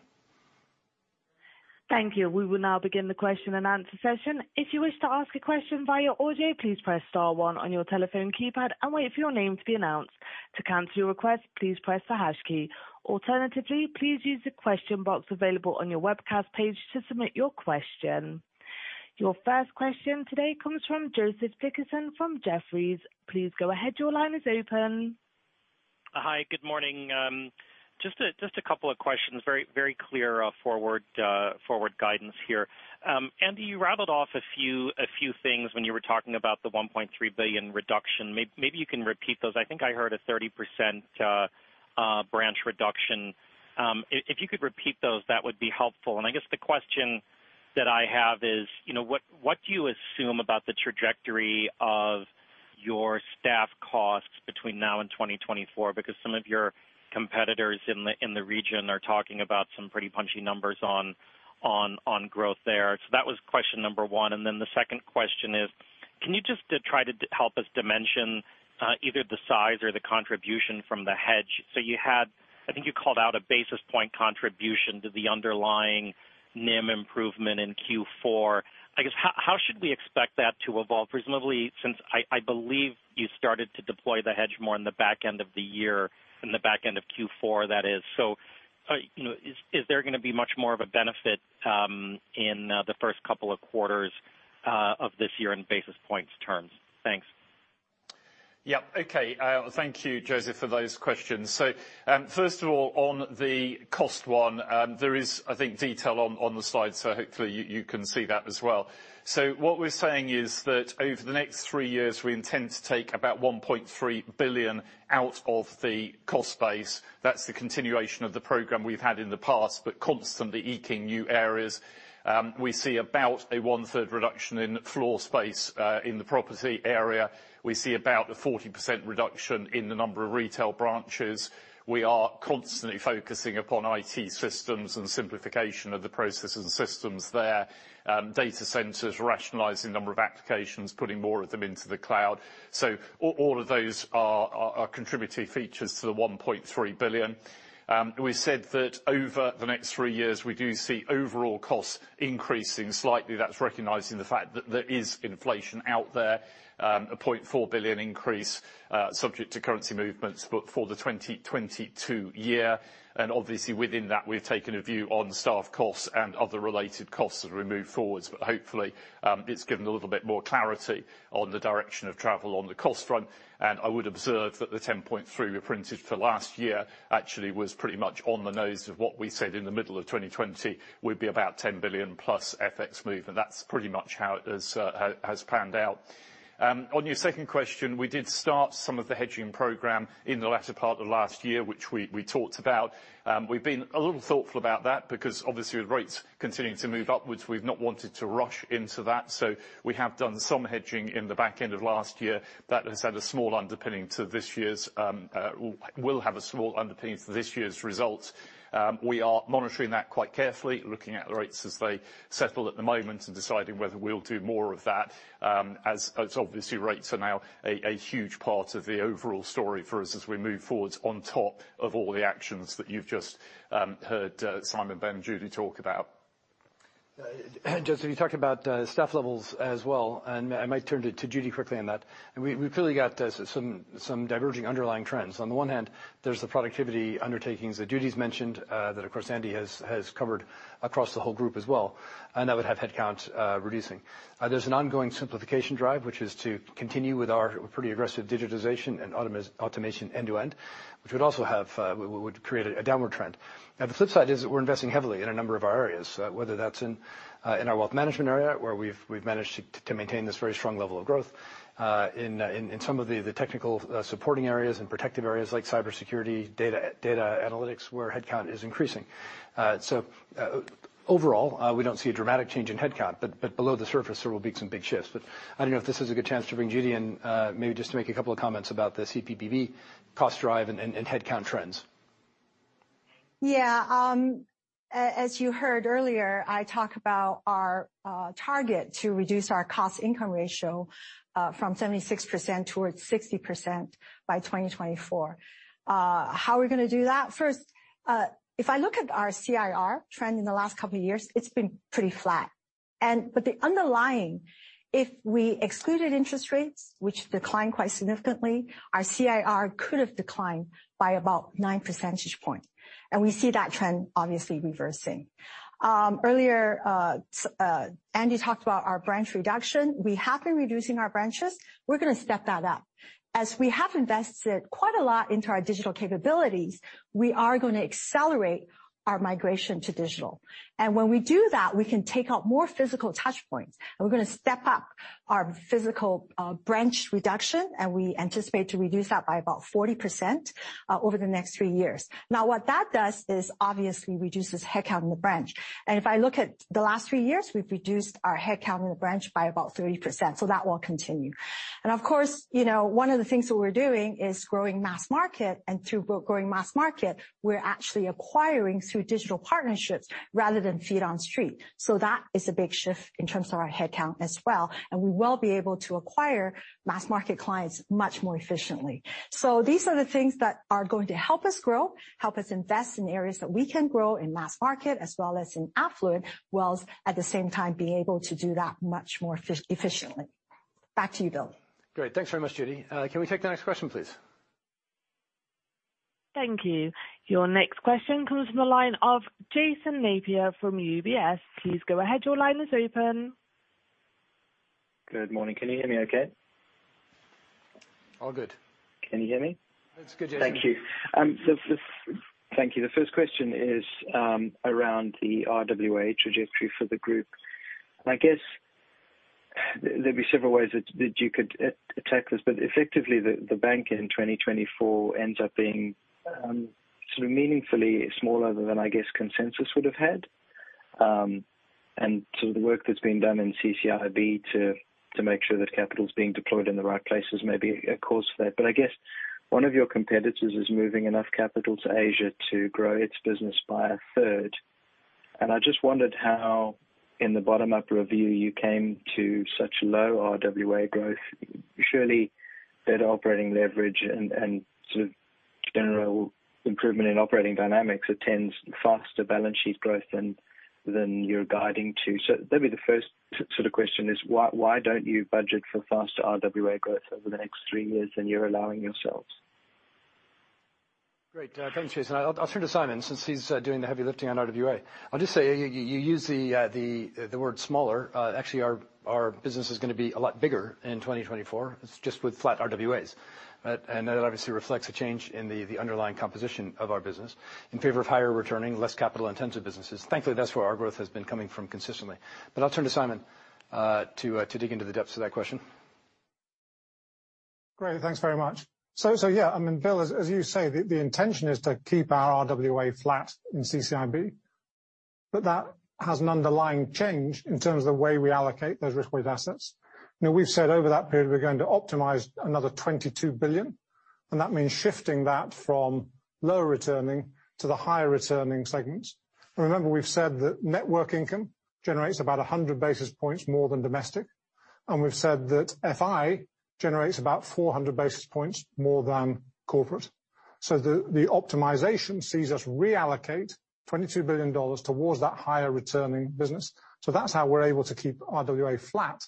Thank you. We will now begin the question-and-answer session. If you wish to ask a question via audio, please press star one on your telephone keypad and wait for your name to be announced. To cancel your question, please press the hash key. Alternatively, please use the question box available on your webcast page to submit your question. Your first question today comes from Joseph Dickerson from Jefferies. Please go ahead. Your line is open.
Hi, good morning. Just a couple of questions. Very clear forward guidance here. Andy, you rattled off a few things when you were talking about the $1.3 billion reduction. Maybe you can repeat those. I think I heard a 30% branch reduction. If you could repeat those, that would be helpful. I guess the question that I have is, you know, what do you assume about the trajectory of your staff costs between now and 2024? Because some of your competitors in the region are talking about some pretty punchy numbers on growth there. That was question number one. Then the second question is, can you just try to help us dimension either the size or the contribution from the hedge? You had, I think you called out a basis point contribution to the underlying NIM improvement in Q4. I guess, how should we expect that to evolve reasonably, since I believe you started to deploy the hedge more in the back end of the year, in the back end of Q4 that is. You know, is there gonna be much more of a benefit in the first couple of quarters of this year in basis points terms? Thanks.
Yeah. Okay. Thank you, Joseph, for those questions. First of all, on the cost one, there is, I think, detail on the slide, so hopefully you can see that as well. What we're saying is that over the next three years, we intend to take about $1.3 billion out of the cost base. That's the continuation of the program we've had in the past, but constantly seeking new areas. We see about a 1/3 reduction in floor space in the property area. We see about a 40% reduction in the number of retail branches. We are constantly focusing upon IT systems and simplification of the processes and systems there, data centers, rationalizing the number of applications, putting more of them into the cloud. All of those are contributing features to the $1.3 billion. We said that over the next three years, we do see overall costs increasing slightly. That's recognizing the fact that there is inflation out there. A $0.4 billion increase, subject to currency movements, but for the 2022 year. Obviously within that we've taken a view on staff costs and other related costs as we move forward. Hopefully, it's given a little bit more clarity on the direction of travel on the cost front. I would observe that the $10.3 billion we printed for last year actually was pretty much on the nose of what we said in the middle of 2020, would be about $10 billion plus FX move, and that's pretty much how it has panned out. On your second question, we did start some of the structural hedge in the latter part of last year, which we talked about. We've been a little thoughtful about that because obviously with rates continuing to move upwards, we've not wanted to rush into that. We have done some hedging in the back end of last year that has had a small underpinning to this year's results and will have a small underpinning to this year's results. We are monitoring that quite carefully, looking at the rates as they settle at the moment, and deciding whether we'll do more of that, as obviously rates are now a huge part of the overall story for us as we move forward on top of all the actions that you've just heard Simon, Ben, and Judy talk about.
Joseph, you talked about staff levels as well, and I might turn to Judy quickly on that. We’ve clearly got some diverging underlying trends. On the one hand, there’s the productivity undertakings that Judy’s mentioned, that of course Andy has covered across the whole group as well. That would have headcount reducing. There’s an ongoing simplification drive, which is to continue with our pretty aggressive digitization and automation end to end, which would also create a downward trend. Now the flip side is that we’re investing heavily in a number of our areas, whether that’s in our wealth management area, where we’ve managed to maintain this very strong level of growth. In some of the technical supporting areas and protective areas like cybersecurity, data analytics, where headcount is increasing. Overall, we don't see a dramatic change in headcount, but below the surface there will be some big shifts. I don't know if this is a good chance to bring Judy in, maybe just to make a couple of comments about the CPBB cost driver and headcount trends.
Yeah. As you heard earlier, I talk about our target to reduce our cost income ratio from 76% towards 60% by 2024. How we're gonna do that? First, if I look at our CIR trend in the last couple of years, it's been pretty flat. The underlying, if we excluded interest rates, which declined quite significantly, our CIR could have declined by about 9 percentage points. We see that trend obviously reversing. Earlier, Andy talked about our branch reduction. We have been reducing our branches. We're gonna step that up. As we have invested quite a lot into our digital capabilities, we are gonna accelerate our migration to digital. When we do that, we can take out more physical touch points, and we're gonna step up our physical, branch reduction, and we anticipate to reduce that by about 40%, over the next three years. Now, what that does is obviously reduces headcount in the branch. If I look at the last three years, we've reduced our headcount in the branch by about 30%, so that will continue. Of course, you know, one of the things that we're doing is growing mass market. Through growing mass market, we're actually acquiring through digital partnerships rather than feet on street. That is a big shift in terms of our headcount as well, and we will be able to acquire mass market clients much more efficiently. These are the things that are going to help us grow, help us invest in areas that we can grow in mass market as well as in affluent wealth, at the same time, being able to do that much more efficiently. Back to you, Bill.
Great. Thanks very much, Judy. Can we take the next question, please?
Thank you. Your next question comes from the line of Jason Napier from UBS. Please go ahead. Your line is open.
Good morning. Can you hear me okay?
All good.
Can you hear me?
It's good, Jason.
Thank you. The first question is around the RWA trajectory for the group. I guess there'd be several ways that you could attack this. Effectively the bank in 2024 ends up being sort of meaningfully smaller than I guess consensus would have had. Sort of the work that's been done in CCIB to make sure that capital's being deployed in the right places may be a cause for that. I guess one of your competitors is moving enough capital to Asia to grow its business by 1/3, and I just wondered how, in the bottom-up review, you came to such low RWA growth. Surely better operating leverage and sort of general improvement in operating dynamics entails faster balance sheet growth than you're guiding to. That'd be the first sort of question is why don't you budget for faster RWA growth over the next three years than you're allowing yourselves?
Great. Thanks, Jason. I'll turn to Simon since he's doing the heavy lifting on RWA. I'll just say you use the word smaller. Actually, our business is gonna be a lot bigger in 2024. It's just with flat RWAs. That obviously reflects a change in the underlying composition of our business in favor of higher returning, less capital-intensive businesses. Thankfully, that's where our growth has been coming from consistently. I'll turn to Simon to dig into the depths of that question.
Great. Thanks very much. Yeah, I mean, Bill, as you say, the intention is to keep our RWA flat in CCIB, but that has an underlying change in terms of the way we allocate those risk-weighted assets. Now, we've said over that period we're going to optimize another $22 billion, and that means shifting that from lower returning to the higher returning segments. Remember, we've said that network income generates about 100 basis points more than domestic, and we've said that FI generates about 400 basis points more than corporate. The optimization sees us reallocate $22 billion towards that higher returning business. That's how we're able to keep RWA flat,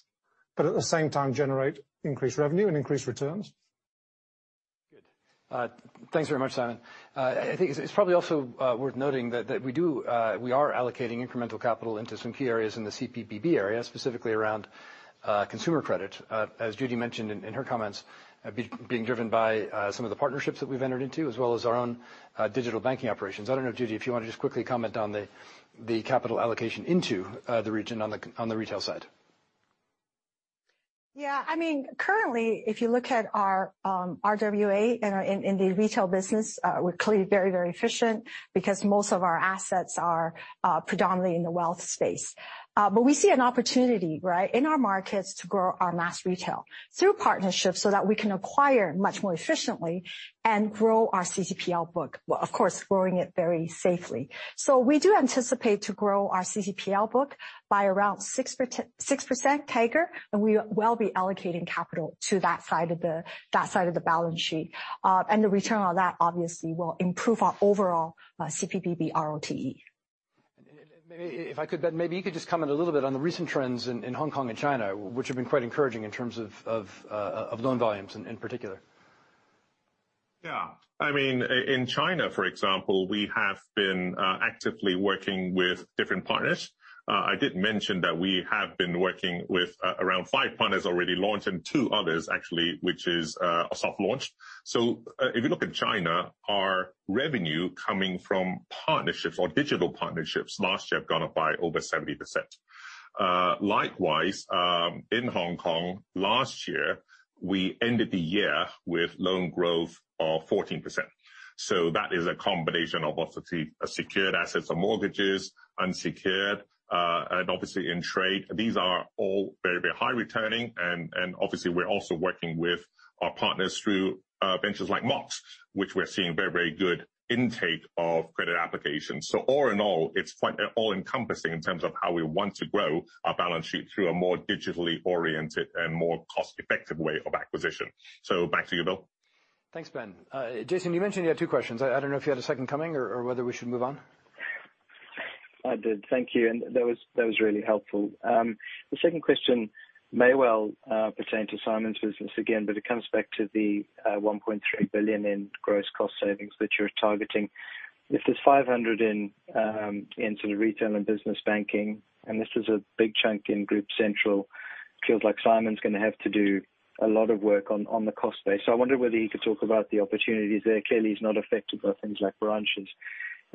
but at the same time generate increased revenue and increased returns.
Good. Thanks very much, Simon. I think it's probably also worth noting that we are allocating incremental capital into some key areas in the CPBB area, specifically around consumer credit, as Judy mentioned in her comments, being driven by some of the partnerships that we've entered into, as well as our own digital banking operations. I don't know, Judy, if you wanna just quickly comment on the capital allocation into the region on the retail side.
Yeah. I mean, currently, if you look at our RWA in our retail business, we're clearly very, very efficient because most of our assets are predominantly in the wealth space. But we see an opportunity, right, in our markets to grow our mass retail through partnerships so that we can acquire much more efficiently and grow our CCPL book. Well, of course, growing it very safely. We do anticipate to grow our CCPL book by around 6% CAGR, and we will be allocating capital to that side of the balance sheet. And the return on that obviously will improve our overall CPBB RoTE.
Maybe if I could, Ben, maybe you could just comment a little bit on the recent trends in Hong Kong and China, which have been quite encouraging in terms of loan volumes in particular.
Yeah. I mean, in China, for example, we have been actively working with different partners. I did mention that we have been working with around five partners already launched and two others actually, which is a soft launch. If you look at China, our revenue coming from partnerships or digital partnerships last year have gone up by over 70%. Likewise, in Hong Kong last year, we ended the year with loan growth of 14%. That is a combination of obviously secured assets or mortgages, unsecured, and obviously in trade. These are all very, very high returning and we're also working with our partners through ventures like Mox, which we're seeing very, very good intake of credit applications. All in all, it's quite all encompassing in terms of how we want to grow our balance sheet through a more digitally oriented and more cost-effective way of acquisition. Back to you, Bill.
Thanks, Ben. Jason, you mentioned you had two questions. I don't know if you had a second one or whether we should move on.
I did. Thank you. That was really helpful. The second question may well pertain to Simon's business again, but it comes back to the $1.3 billion in gross cost savings that you're targeting. If there's $500 million in sort of retail and business banking, and this was a big chunk in group central, it feels like Simon's gonna have to do a lot of work on the cost base. So I wondered whether he could talk about the opportunities there. Clearly, he's not affected by things like branches.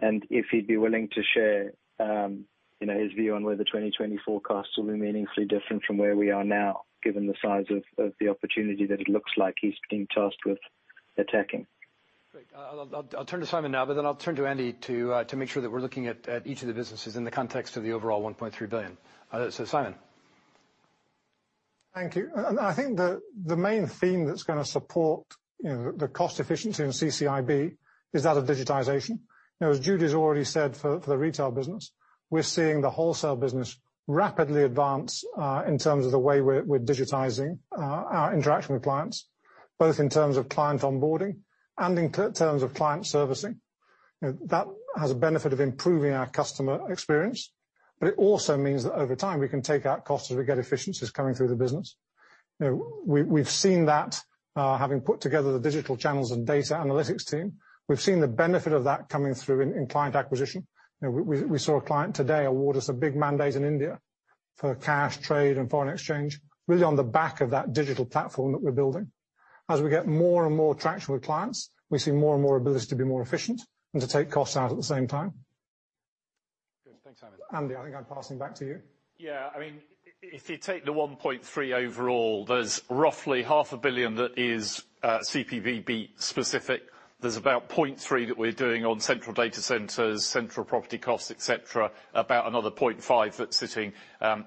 If he'd be willing to share you know, his view on whether 2020 forecasts will be meaningfully different from where we are now, given the size of the opportunity that it looks like he's been tasked with attacking.
Great. I'll turn to Simon now, but then I'll turn to Andy to make sure that we're looking at each of the businesses in the context of the overall $1.3 billion. Simon.
Thank you. I think the main theme that's gonna support, you know, the cost efficiency in CCIB is that of digitization. You know, as Judy has already said for the retail business, we're seeing the wholesale business rapidly advance in terms of the way we're digitizing our interaction with clients, both in terms of client onboarding and in terms of client servicing. That has a benefit of improving our customer experience, but it also means that over time we can take out costs as we get efficiencies coming through the business. You know, we've seen that, having put together the digital channels and data analytics team, we've seen the benefit of that coming through in client acquisition. You know, we saw a client today award us a big mandate in India for cash trade and foreign exchange, really on the back of that digital platform that we're building. As we get more and more traction with clients, we see more and more ability to be more efficient and to take costs out at the same time.
Good. Thanks, Simon.
Andy, I think I'm passing back to you.
Yeah. I mean, if you take the $1.3 billion overall, there's roughly half a billion that is, CPBB specific. There's about $0.3 billion that we're doing on central data centers, central property costs, et cetera, about another $0.5 billion that's sitting,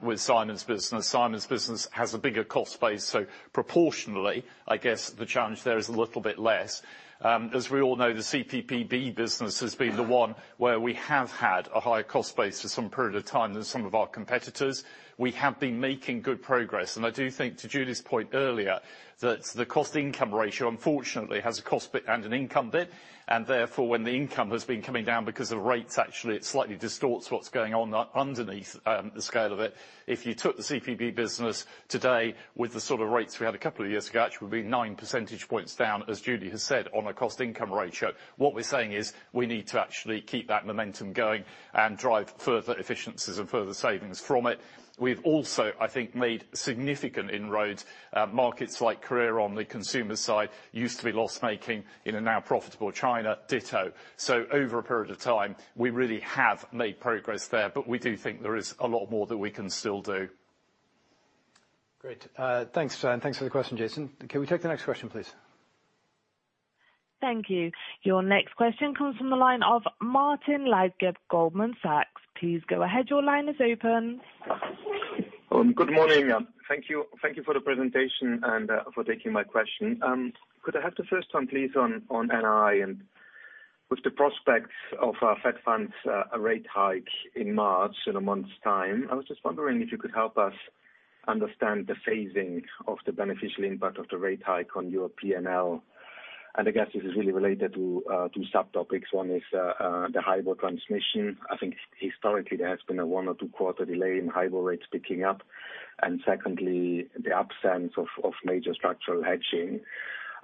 with Simon's business. Simon's business has a bigger cost base, so proportionally, I guess the challenge there is a little bit less. As we all know, the CPBB business has been the one where we have had a higher cost base for some period of time than some of our competitors. We have been making good progress. I do think, to Judy's point earlier, that the cost income ratio unfortunately has a cost bit and an income bit, and therefore when the income has been coming down because of rates, actually it slightly distorts what's going on underneath, the scale of it. If you took the CPBB business today with the sort of rates we had a couple of years ago, actually it would be 9 percentage points down, as Judy has said, on a cost income ratio. What we're saying is we need to actually keep that momentum going and drive further efficiencies and further savings from it. We've also, I think, made significant inroads. Markets like Korea on the consumer side used to be loss-making in, and now profitable China, ditto. Over a period of time, we really have made progress there, but we do think there is a lot more that we can still do.
Great. Thanks, Simon. Thanks for the question, Jason. Can we take the next question, please?
Thank you. Your next question comes from the line of Martin Leitgeb, Goldman Sachs. Please go ahead. Your line is open.
Good morning. Thank you for the presentation and for taking my question. Could I have the first one, please, on NII? With the prospects of Fed funds a rate hike in March, in a month's time, I was just wondering if you could help us understand the phasing of the beneficial impact of the rate hike on your P&L. I guess this is really related to two subtopics. One is the hybrid transmission. I think historically there has been a one or two quarter delay in hybrid rates picking up. Secondly, the absence of major structural hedging.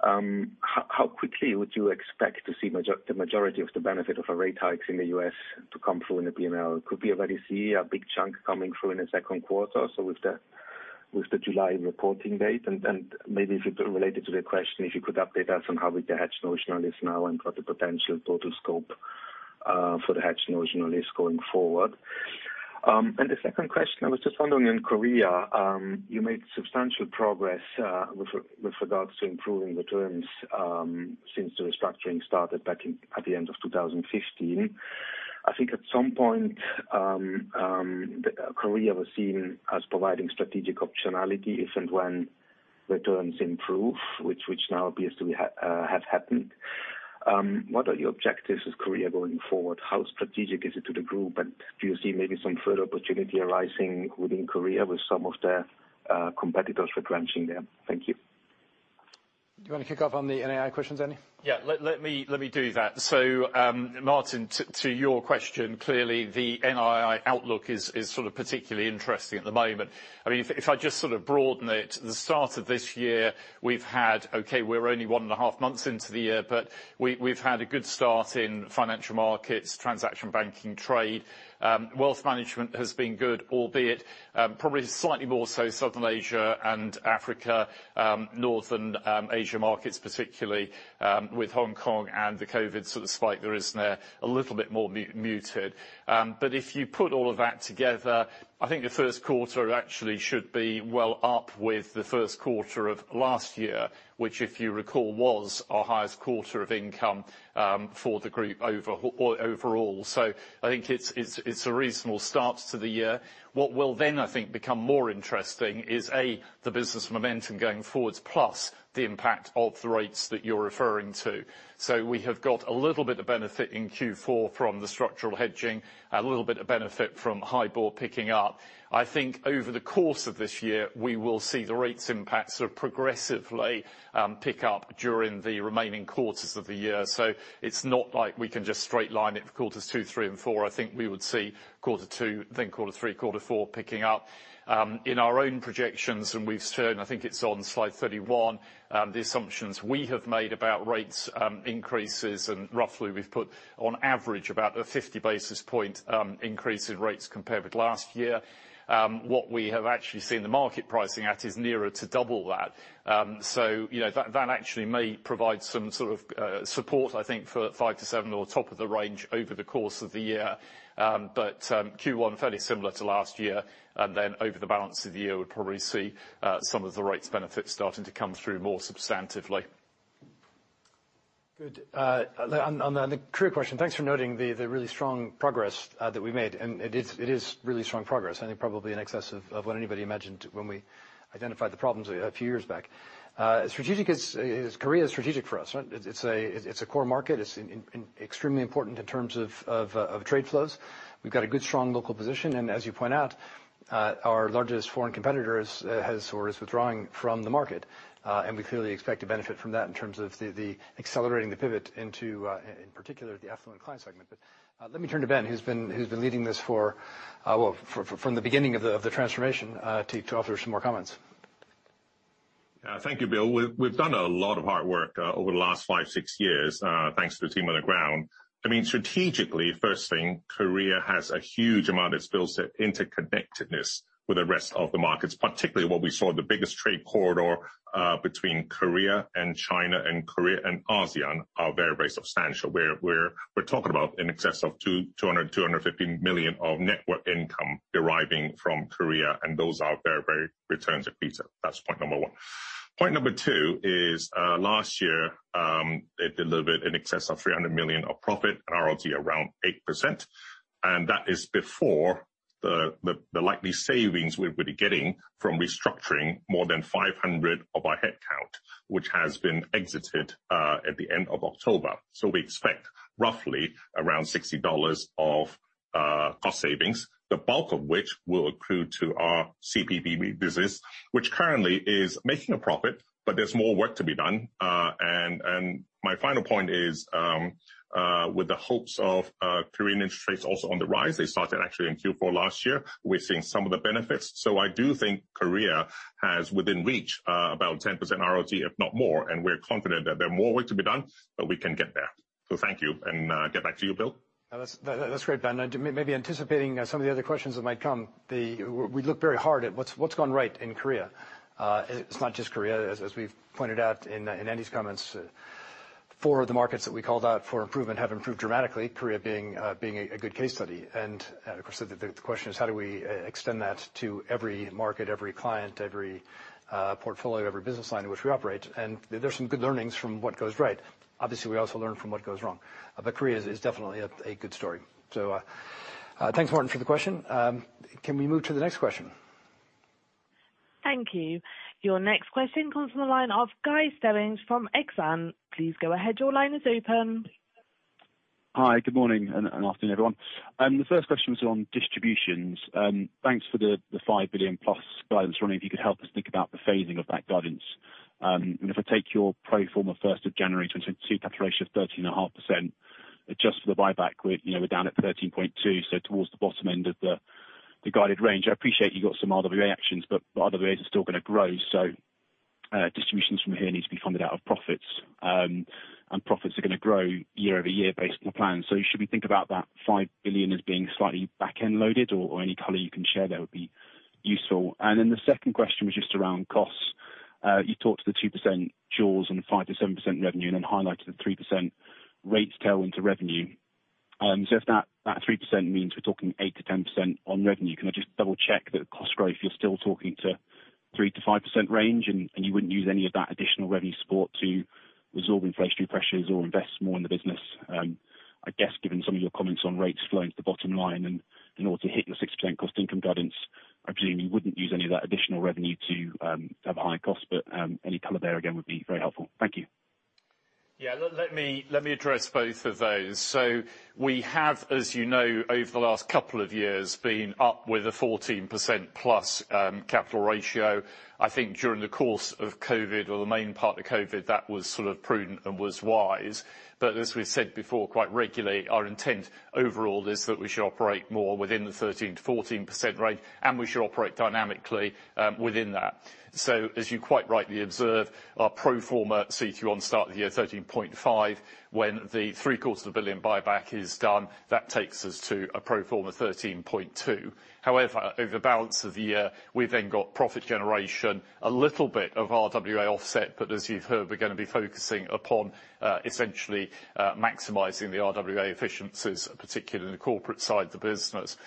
How quickly would you expect to see the majority of the benefit of a rate hikes in the U.S. to come through in the P&L? Could we already see a big chunk coming through in the second quarter or so with the July reporting date? Maybe if it related to the question, if you could update us on how the hedge notional is now and what the potential total scope for the hedge notional is going forward. The second question, I was just wondering, in Korea, you made substantial progress with regards to improving returns since the restructuring started back at the end of 2015. I think at some point, Korea was seen as providing strategic optionality if and when returns improve, which now appears to have happened. What are your objectives with Korea going forward? How strategic is it to the group? Do you see maybe some further opportunity arising within Korea with some of the competitors retrenching there? Thank you.
Do you wanna kick off on the NII questions, Andy?
Yeah. Let me do that. Martin, to your question, clearly, the NII outlook is sort of particularly interesting at the moment. I mean, if I just sort of broaden it, the start of this year, we've had. Okay, we're only one and a half months into the year, but we've had a good start in financial markets, transaction banking, trade. Wealth management has been good, albeit probably slightly more so Southern Asia and Africa, Northern Asia markets, particularly with Hong Kong and the COVID sort of spike there, a little bit more muted. If you put all of that together, I think the first quarter actually should be well up with the first quarter of last year, which if you recall, was our highest quarter of income for the group or overall. I think it's a reasonable start to the year. What will then, I think, become more interesting is, A, the business momentum going forwards, plus the impact of the rates that you're referring to. We have got a little bit of benefit in Q4 from the structural hedge, a little bit of benefit from HIBOR picking up. I think over the course of this year, we will see the rates impact sort of progressively pick up during the remaining quarters of the year. It's not like we can just straight line it for quarters two, three, and four. I think we would see quarter two, then quarter three, quarter four picking up. In our own projections, and we've shown, I think it's on slide 31, the assumptions we have made about rates increases, and roughly we've put on average about a 50 basis point increase in rates compared with last year. What we have actually seen the market pricing at is nearer to double that. You know, that actually may provide some sort of support, I think, for 5%-7% or top of the range over the course of the year. Q1, fairly similar to last year, and then over the balance of the year, we'll probably see some of the rates benefits starting to come through more substantively.
Good. On the Korea question, thanks for noting the really strong progress that we made. It is really strong progress, I think probably in excess of what anybody imagined when we identified the problems a few years back. Korea is strategic for us. It's a core market. It's extremely important in terms of trade flows. We've got a good, strong local position. As you point out, our largest foreign competitor is withdrawing from the market, and we clearly expect to benefit from that in terms of accelerating the pivot into, in particular, the affluent client segment. Let me turn to Ben, who's been leading this for, well, for, from the beginning of the transformation, to offer some more comments.
Thank you, Bill. We've done a lot of hard work over the last five, six years, thanks to the team on the ground. I mean, strategically, first thing, Korea has a huge amount of supply chain interconnectedness with the rest of the markets, particularly which is the biggest trade corridor between Korea and China, and Korea and ASEAN are very, very substantial. We're talking about in excess of $200 million-$250 million of net interest income deriving from Korea, and those are very, very attractive returns. That's point number one. Point number two is, last year, they delivered in excess of $300 million of profit, a RoTE around 8%, and that is before the likely savings we're getting from restructuring more than 500 of our headcount, which has been exited, at the end of October. We expect roughly around $60 million of cost savings, the bulk of which will accrue to our CPBB business, which currently is making a profit, but there's more work to be done. My final point is, with the hopes of Korean interest rates also on the rise, they started actually in Q4 last year. We're seeing some of the benefits. I do think Korea has within reach, about 10% RoTE, if not more. We're confident that there are more work to be done, but we can get there. Thank you. Get back to you, Bill.
That's great, Ben. Maybe anticipating some of the other questions that might come, we look very hard at what's gone right in Korea. It's not just Korea, as we've pointed out in Andy's comments, four of the markets that we called out for improvement have improved dramatically, Korea being a good case study. Of course, the question is how do we extend that to every market, every client, every portfolio, every business line in which we operate? There's some good learnings from what goes right. Obviously, we also learn from what goes wrong. Korea is definitely a good story. Thanks, Martin, for the question. Can we move to the next question?
Thank you. Your next question comes from the line of Guy Stebbings from Exane. Please go ahead. Your line is open.
Hi, good morning and afternoon, everyone. The first question was on distributions. Thanks for the $5+ billion guidance. Andy, if you could help us think about the phasing of that guidance. If I take your pro forma as of January 2022 capital ratio of 13.5%, adjust for the buyback, you know, we're down at 13.2%, so towards the bottom end of the guided range. I appreciate you got some RWA actions, but RWAs are still gonna grow. Distributions from here need to be funded out of profits, and profits are gonna grow year-over-year based on plans. Should we think about that $5 billion as being slightly back-end loaded or any color you can share there would be useful. Then the second question was just around costs. You talked to the 2% jaws and 5%-7% revenue and then highlighted the 3% rates tailwind into revenue. If that 3% means we're talking 8%-10% on revenue, can I just double check that cost growth, you're still talking to 3%-5% range, and you wouldn't use any of that additional revenue support to resolve inflationary pressures or invest more in the business. I guess given some of your comments on rates flowing to the bottom line and in order to hit your 6% cost income guidance, I presume you wouldn't use any of that additional revenue to have a higher cost, but any color there again would be very helpful. Thank you.
Yeah. Let me address both of those. We have, as you know, over the last couple of years, been up with a 14%+ capital ratio. I think during the course of COVID or the main part of COVID, that was sort of prudent and was wise. As we've said before quite regularly, our intent overall is that we should operate more within the 13%-14% range, and we should operate dynamically within that. As you quite rightly observe, our pro forma CET1 at start of the year, 13.5%, when the $0.75 billion buyback is done, that takes us to a pro forma 13.2%. However, over the balance of the year, we've then got profit generation, a little bit of RWA offset. As you've heard, we're gonna be focusing upon essentially maximizing the RWA efficiencies, particularly in the corporate side of the business.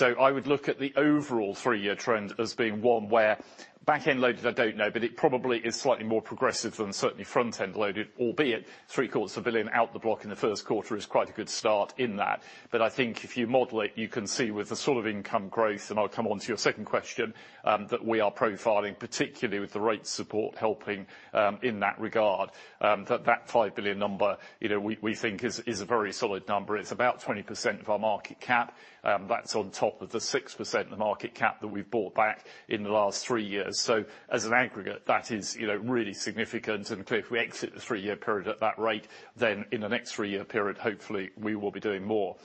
I would look at the overall three-year trend as being one where back-end loaded, I don't know, but it probably is slightly more progressive than certainly front-end loaded, albeit $0.75 billion out of the box in the first quarter is quite a good start in that. I think if you model it, you can see with the sort of income growth, and I'll come on to your second question, that we are profiling, particularly with the rate support helping in that regard, that $5 billion number, you know, we think is a very solid number. It's about 20% of our market cap. That's on top of the 6% of the market cap that we've bought back in the last three years. As an aggregate, that is, you know, really significant. Clearly, if we exit the three-year period at that rate, then in the next three-year period, hopefully, we will be doing more.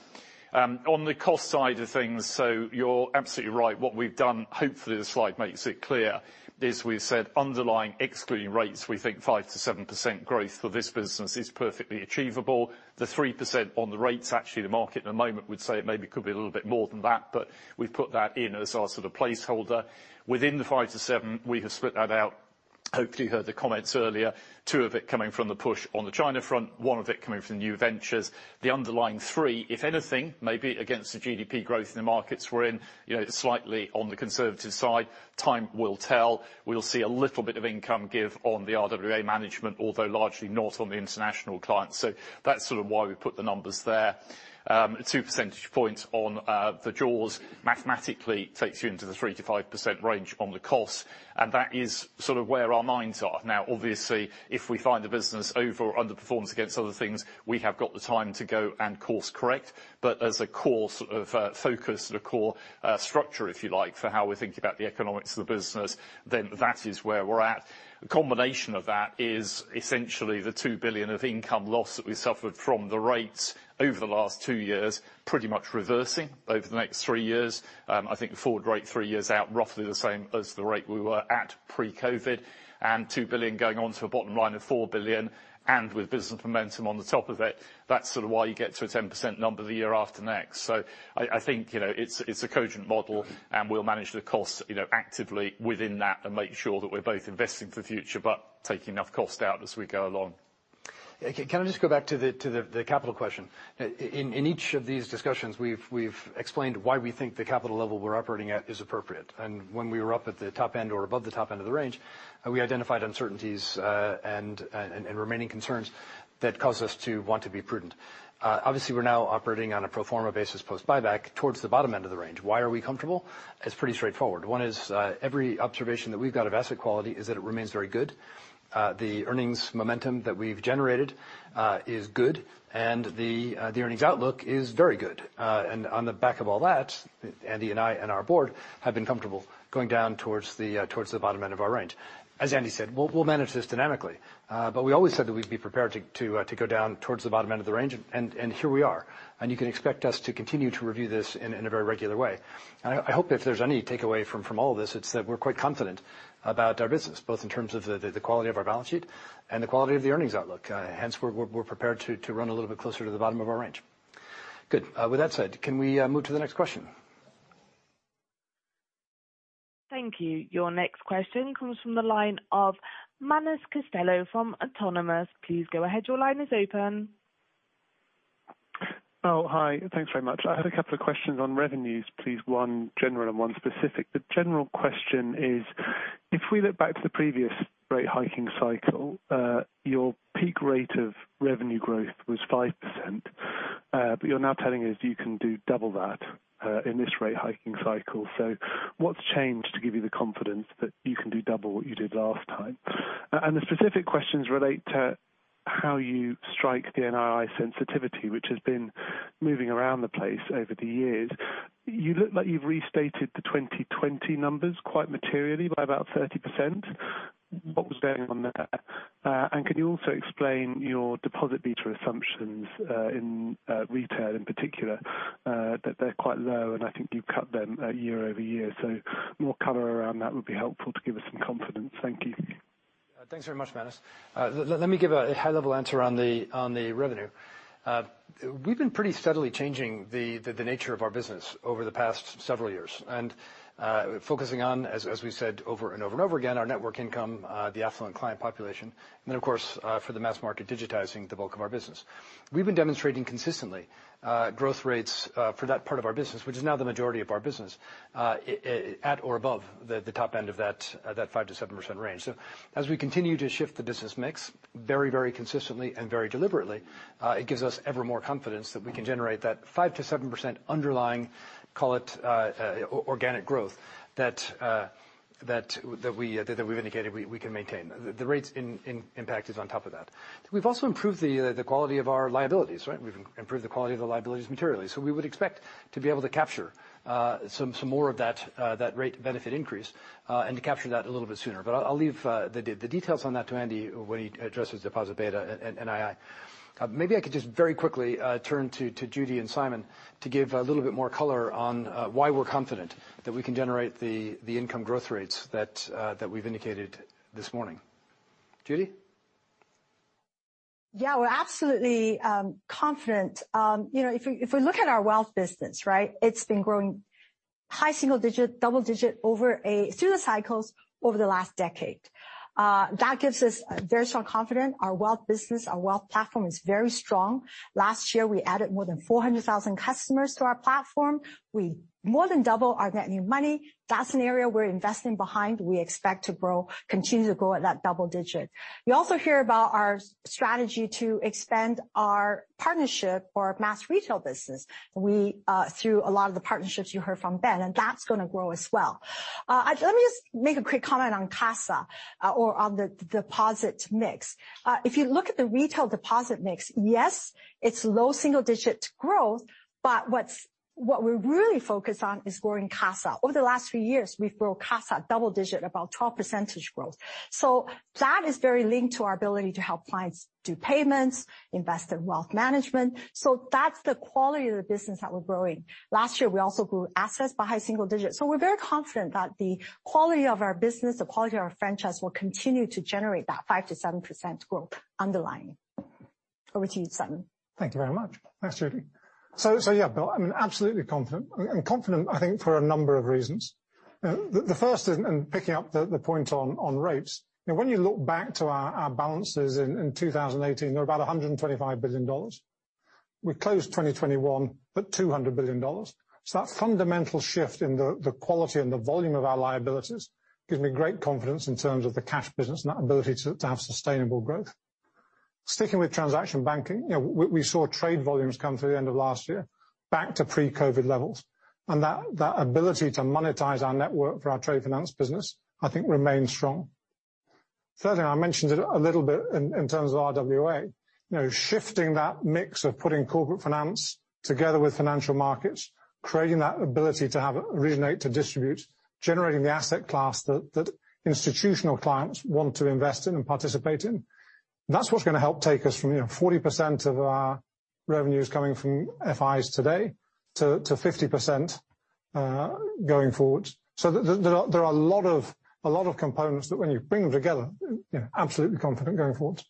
On the cost side of things, you're absolutely right. What we've done, hopefully the slide makes it clear, is we've said underlying excluding rates, we think 5%-7% growth for this business is perfectly achievable. The 3% on the rates, actually, the market at the moment would say it maybe could be a little bit more than that, but we've put that in as our sort of placeholder. Within the 5%-7%, we have split that out. Hopefully you heard the comments earlier. Two of it coming from the push on the China front, one of it coming from new ventures. The underlying three, if anything, maybe against the GDP growth in the markets we're in, you know, slightly on the conservative side, time will tell. We'll see a little bit of income give on the RWA management, although largely not on the international clients. So that's sort of why we put the numbers there. 2 percentage points on the jaws mathematically takes you into the 3%-5% range on the costs, and that is sort of where our minds are. Now, obviously, if we find the business over or underperforms against other things, we have got the time to go and course correct. As a core sort of focus, the core structure, if you like, for how we're thinking about the economics of the business, then that is where we're at. A combination of that is essentially the $2 billion of income loss that we suffered from the rates over the last two years, pretty much reversing over the next three years. I think the forward rate three years out, roughly the same as the rate we were at pre-COVID and $2 billion going on to a bottom line of $4 billion and with business momentum on the top of it. That's sort of why you get to a 10% number the year after next. I think, you know, it's a cogent model, and we'll manage the costs, you know, actively within that and make sure that we're both investing for the future but taking enough cost out as we go along.
Okay. Can I just go back to the capital question? In each of these discussions, we've explained why we think the capital level we're operating at is appropriate. When we were up at the top end or above the top end of the range, we identified uncertainties and remaining concerns that caused us to want to be prudent. Obviously, we're now operating on a pro forma basis post-buyback towards the bottom end of the range. Why are we comfortable? It's pretty straightforward. One is, every observation that we've got of asset quality is that it remains very good. The earnings momentum that we've generated is good, and the earnings outlook is very good. On the back of all that, Andy and I and our board have been comfortable going down towards the bottom end of our range. As Andy said, we'll manage this dynamically. We always said that we'd be prepared to go down towards the bottom end of the range, and here we are. You can expect us to continue to review this in a very regular way. I hope if there's any takeaway from all this, it's that we're quite confident about our business, both in terms of the quality of our balance sheet and the quality of the earnings outlook. Hence, we're prepared to run a little bit closer to the bottom of our range. Good. With that said, can we move to the next question?
Thank you. Your next question comes from the line of Manus Costello from Autonomous. Please go ahead. Your line is open.
Oh, hi. Thanks very much. I had a couple of questions on revenues, please, one general and one specific. The general question is, if we look back to the previous rate hiking cycle, your peak rate of revenue growth was 5%, but you're now telling us you can do double that, in this rate hiking cycle. So what's changed to give you the confidence that you can do double what you did last time? And the specific questions relate to how you strike the NII sensitivity, which has been moving around the place over the years. You look like you've restated the 2020 numbers quite materially by about 30%. What was going on there? And can you also explain your deposit beta assumptions, in retail in particular? that they're quite low, and I think you've cut them, year-over-year. More color around that would be helpful to give us some confidence. Thank you.
Thanks very much, Manus. Let me give a high-level answer on the revenue. We've been pretty steadily changing the nature of our business over the past several years, and focusing on, as we said over and over and over again, our network income, the affluent client population, and then, of course, for the mass market, digitizing the bulk of our business. We've been demonstrating consistently growth rates for that part of our business, which is now the majority of our business, at or above the top end of that 5%-7% range. As we continue to shift the business mix very, very consistently and very deliberately, it gives us ever more confidence that we can generate that 5%-7% underlying, call it, organic growth that we've indicated we can maintain. The rates impact is on top of that. We've also improved the quality of our liabilities, right? We've improved the quality of the liabilities materially. We would expect to be able to capture some more of that rate benefit increase and to capture that a little bit sooner. I'll leave the details on that to Andy when he addresses deposit beta and NII. Maybe I could just very quickly turn to Judy and Simon to give a little bit more color on why we're confident that we can generate the income growth rates that we've indicated this morning. Judy?
Yeah. We're absolutely confident. You know, if we look at our wealth business, right? It's been growing high single digit, double digit through the cycles over the last decade. That gives us very strong confidence. Our wealth business, our wealth platform is very strong. Last year, we added more than 400,000 customers to our platform. We more than double our net new money. That's an area we're investing behind. We expect to grow, continue to grow at that double digit. You also hear about our strategy to expand our partnership for our mass retail business. We through a lot of the partnerships you heard from Ben, and that's gonna grow as well. Let me just make a quick comment on CASA, or on the deposit mix. If you look at the retail deposit mix, yes, it's low single-digit growth, but what we're really focused on is growing CASA. Over the last few years, we've grown CASA double-digit, about 12% growth. That is very linked to our ability to help clients do payments, invest in wealth management. That's the quality of the business that we're growing. Last year, we also grew assets by high single digits. We're very confident that the quality of our business, the quality of our franchise will continue to generate that 5%-7% growth underlying. Over to you, Simon.
Thank you very much. Thanks, Judy. Yeah, Bill, I'm absolutely confident, I think, for a number of reasons. The first is picking up the point on rates. You know, when you look back to our balances in 2018, they were about $125 billion. We closed 2021 at $200 billion. That fundamental shift in the quality and the volume of our liabilities gives me great confidence in terms of the cash business and that ability to have sustainable growth. Sticking with transaction banking, you know, we saw trade volumes come to the end of last year back to pre-COVID levels, and that ability to monetize our network for our trade finance business, I think remains strong. Thirdly, I mentioned it a little bit in terms of RWA. You know, shifting that mix of putting corporate finance together with financial markets, creating that ability to have originate to distribute, generating the asset class that institutional clients want to invest in and participate in. That's what's gonna help take us from, you know, 40% of our revenues coming from FIs today to 50% going forward. There are a lot of components that when you bring them together, you know, I'm absolutely confident going forward.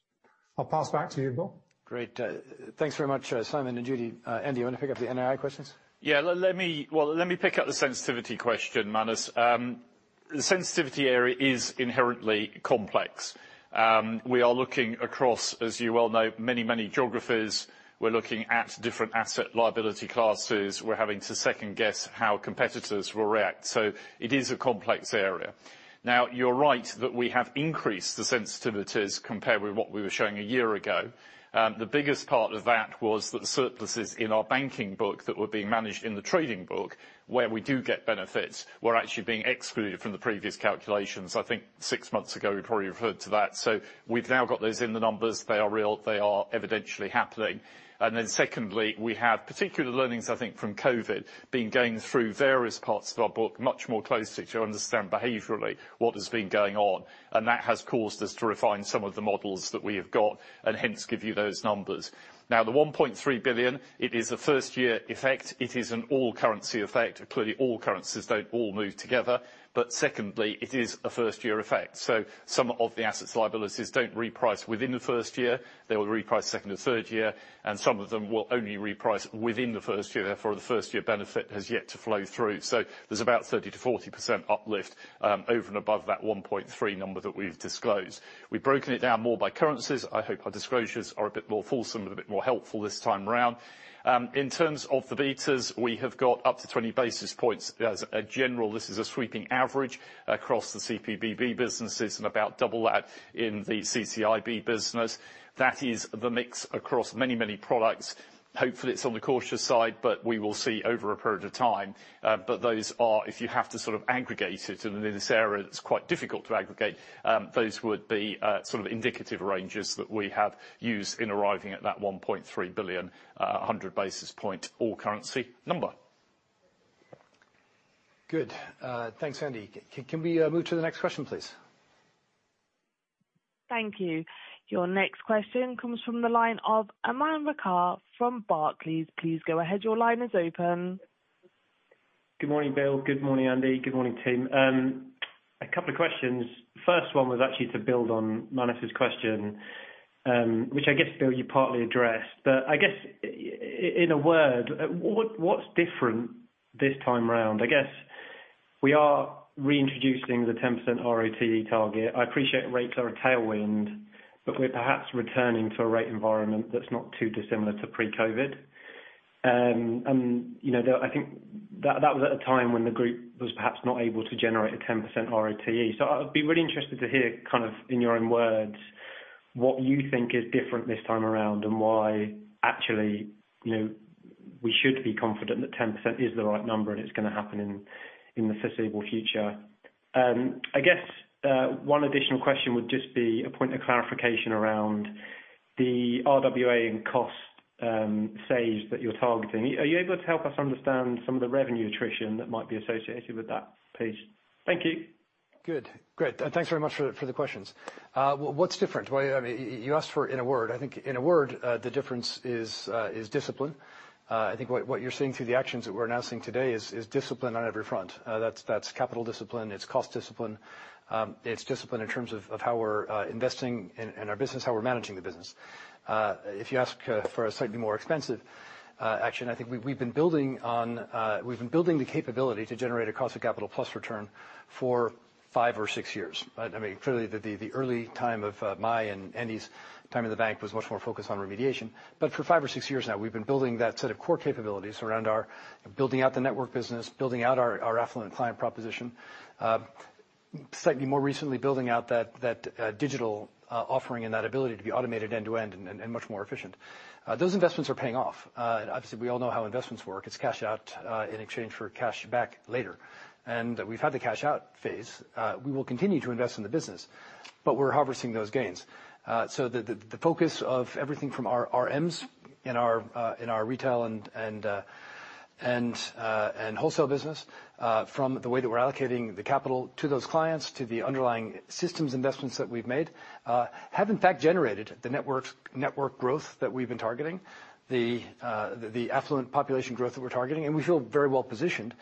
I'll pass back to you, Bill.
Great. Thanks very much, Simon and Judy. Andy, you wanna pick up the NII questions?
Well, let me pick up the sensitivity question, Manus. The sensitivity area is inherently complex. We are looking across, as you well know, many, many geographies. We're looking at different asset liability classes. We're having to second-guess how competitors will react. It is a complex area. Now, you're right that we have increased the sensitivities compared with what we were showing a year ago. The biggest part of that was that the surpluses in our banking book that were being managed in the trading book where we do get benefits were actually being excluded from the previous calculations. I think six months ago, we probably referred to that. We've now got those in the numbers. They are real. They are evidentially happening. Secondly, we have particular learnings, I think, from COVID. We've been going through various parts of our book much more closely to understand behaviorally what has been going on, and that has caused us to refine some of the models that we have got and hence give you those numbers. Now, the $1.3 billion, it is a first-year effect. It is an all-currency effect. Clearly, all currencies don't all move together. Secondly, it is a first-year effect. Some of the assets, liabilities don't reprice within the first year. They will reprice second and third year, and some of them will only reprice within the first year. Therefore, the first-year benefit has yet to flow through. There's about 30%-40% uplift over and above that $1.3 billion number that we've disclosed. We've broken it down more by currencies. I hope our disclosures are a bit more fulsome and a bit more helpful this time around. In terms of the betas, we have got up to 20 basis points. As a general, this is a sweeping average across the CPBB businesses and about double that in the CCIB business. That is the mix across many, many products. Hopefully, it's on the cautious side, but we will see over a period of time. But those are if you have to sort of aggregate it, and in this area, it's quite difficult to aggregate, those would be sort of indicative ranges that we have used in arriving at that $1.3 billion, 100 basis points all currency number.
Good. Thanks, Andy. Can we move to the next question, please?
Thank you. Your next question comes from the line of Aman Rakkar from Barclays. Please go ahead. Your line is open.
Good morning, Bill. Good morning, Andy. Good morning, team. A couple of questions. First one was actually to build on Manus's question, which I guess, Bill, you partly addressed. I guess in a word, what's different this time around? I guess we are reintroducing the 10% RoTE target. I appreciate rates are a tailwind, but we're perhaps returning to a rate environment that's not too dissimilar to pre-COVID-19. You know, I think that was at a time when the group was perhaps not able to generate a 10% RoTE. I'd be really interested to hear kind of in your own words what you think is different this time around and why actually, you know, we should be confident that 10% is the right number and it's gonna happen in the foreseeable future. I guess, one additional question would just be a point of clarification around the RWA and cost saves that you're targeting. Are you able to help us understand some of the revenue attrition that might be associated with that, please? Thank you.
Good. Great. Thanks very much for the questions. What's different? Well, you asked for it in a word. I think in a word, the difference is discipline. I think what you're seeing through the actions that we're announcing today is discipline on every front. That's capital discipline, it's cost discipline, it's discipline in terms of how we're investing in our business, how we're managing the business. If you ask for a slightly more expansive action, I think we've been building the capability to generate a cost of capital plus return for five or six years. I mean, clearly the early time of my and Andy's time in the bank was much more focused on remediation. For five or six years now, we've been building that set of core capabilities around our building out the network business, building out our affluent client proposition. Slightly more recently, building out that digital offering and that ability to be automated end-to-end and much more efficient. Those investments are paying off. Obviously, we all know how investments work. It's cash out in exchange for cash back later. We've had the cash out phase. We will continue to invest in the business, but we're harvesting those gains. The focus of everything from our RMs in our retail and wholesale business, from the way that we're allocating the capital to those clients to the underlying systems investments that we've made, have in fact generated the network growth that we've been targeting, the affluent population growth that we're targeting. We feel very well-positioned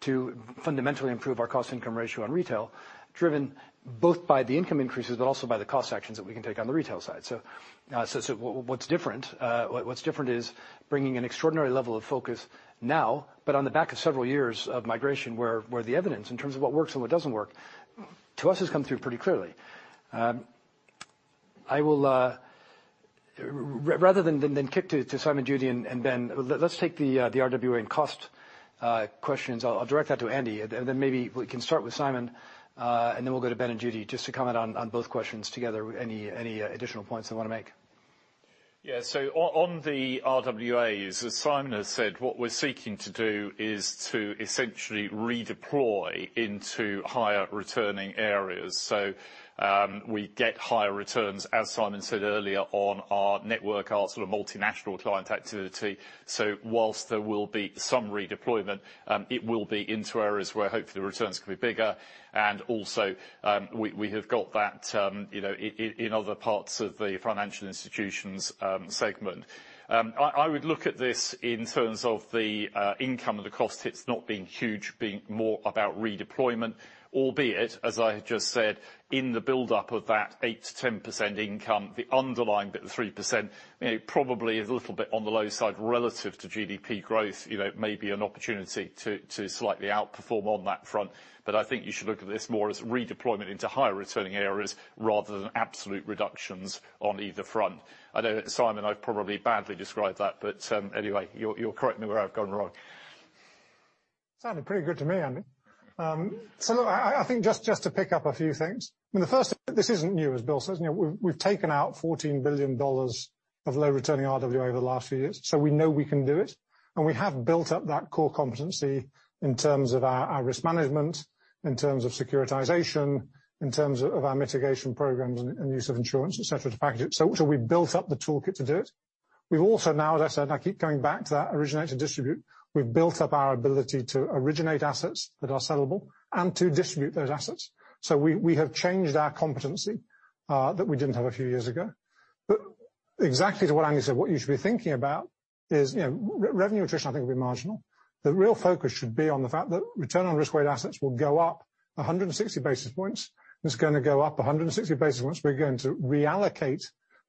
to fundamentally improve our cost income ratio on retail, driven both by the income increases, but also by the cost actions that we can take on the retail side. What's different is bringing an extraordinary level of focus now, but on the back of several years of migration, where the evidence in terms of what works and what doesn't work, to us, has come through pretty clearly. Rather than kick to Simon, Judy, and Ben, let's take the RWA and cost questions. I'll direct that to Andy, and then maybe we can start with Simon, and then we'll go to Ben and Judy just to comment on both questions together, any additional points they wanna make.
Yeah. On the RWAs, as Simon has said, what we're seeking to do is to essentially redeploy into higher returning areas. We get higher returns, as Simon said earlier, on our network, our sort of multinational client activity. Whilst there will be some redeployment, it will be into areas where hopefully the returns can be bigger. We have got that, you know, in other parts of the financial institutions segment. I would look at this in terms of the income and the cost hits not being huge, being more about redeployment, albeit, as I just said, in the build up of that 8%-10% income, the underlying bit, the 3%, you know, probably is a little bit on the low side relative to GDP growth. You know, it may be an opportunity to slightly outperform on that front. I think you should look at this more as redeployment into higher returning areas rather than absolute reductions on either front. I know, Simon, I've probably badly described that, but, anyway, you'll correct me where I've gone wrong.
Sounded pretty good to me, Andy. Look, I think just to pick up a few things. I mean, the first, this isn't new, as Bill says. You know, we've taken out $14 billion of low returning RWA over the last few years, so we know we can do it. We have built up that core competency in terms of our risk management, in terms of securitization, in terms of our mitigation programs and use of insurance, et cetera, to package it. We've built up the toolkit to do it. We've also now, as I said, I keep coming back to that originate to distribute, we've built up our ability to originate assets that are sellable and to distribute those assets. We have changed our competency that we didn't have a few years ago. Exactly to what Andy said, what you should be thinking about is, you know, revenue attrition I think will be marginal. The real focus should be on the fact that return on risk-weighted assets will go up 160 basis points. It's gonna go up 160 basis points. We're going to reallocate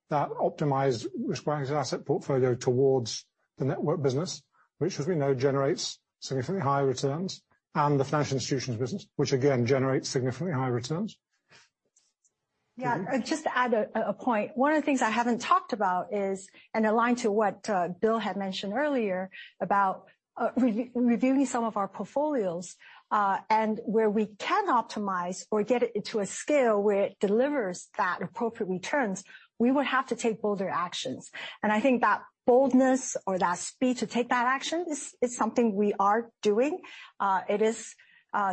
that optimized risk-weighted asset portfolio towards the network business, which, as we know, generates significantly higher returns, and the financial institutions business, which again generates significantly higher returns.
Yeah. Just to add a point, one of the things I haven't talked about is, and aligned to what Bill had mentioned earlier, about reviewing some of our portfolios. Where we can optimize or get it into a scale where it delivers that appropriate returns, we will have to take bolder actions. I think that boldness or that speed to take that action is something we are doing. It is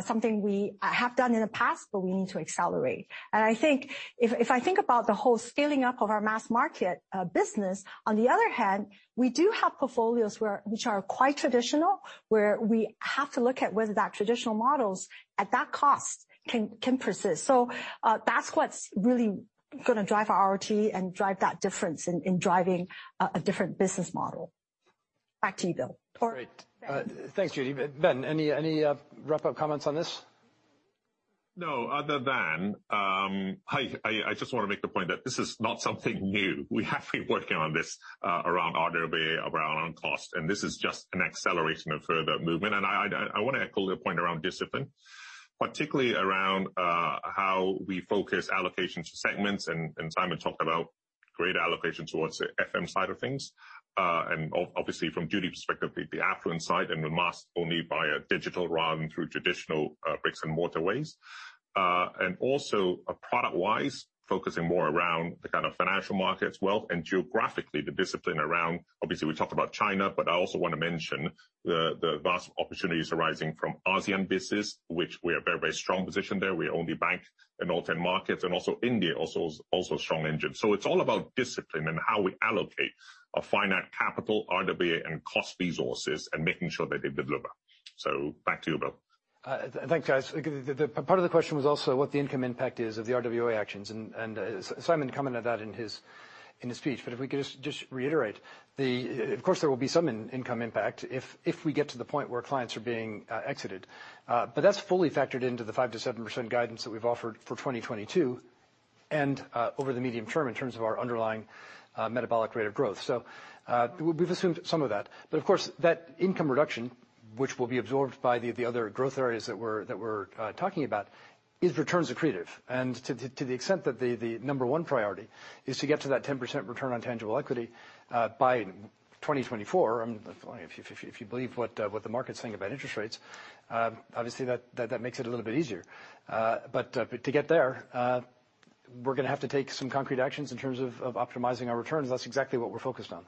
something we have done in the past, but we need to accelerate. I think if I think about the whole scaling up of our mass market business, on the other hand, we do have portfolios which are quite traditional, where we have to look at whether that traditional models at that cost can persist. That's what's really gonna drive our RoTE and drive that difference in driving a different business model. Back to you, Bill.
Great. Thanks, Judy. Ben, any wrap-up comments on this?
No, other than, I just wanna make the point that this is not something new. We have been working on this around RWA, around cost, and this is just an acceleration of further movement. I wanna echo the point around discipline, particularly around how we focus allocations to segments. Simon talked about great allocation towards the FM side of things. Obviously from Judy perspective, the affluent side and the mass only via digital rather than through traditional bricks and mortar ways. Also product-wise, focusing more around the kind of financial markets, wealth, and geographically the discipline around, obviously we talked about China, but I also wanna mention the vast opportunities arising from ASEAN business, which we are very, very strong position there. We are the only bank in all 10 markets and India is also a strong engine. It's all about discipline and how we allocate our finite capital, RWA, and cost resources and making sure that they deliver. Back to you, Bill.
Thanks, guys. The part of the question was also what the income impact is of the RWA actions, and Simon commented that in his speech. If we could just reiterate. Of course, there will be some income impact if we get to the point where clients are being exited. That's fully factored into the 5%-7% guidance that we've offered for 2022 and over the medium term in terms of our underlying metabolic rate of growth. We've assumed some of that. Of course, that income reduction, which will be absorbed by the other growth areas that we're talking about, is returns accretive. To the extent that the number one priority is to get to that 10% return on tangible equity by 2024, if you believe what the market's saying about interest rates, obviously that makes it a little bit easier. But to get there, we're gonna have to take some concrete actions in terms of optimizing our returns. That's exactly what we're focused on.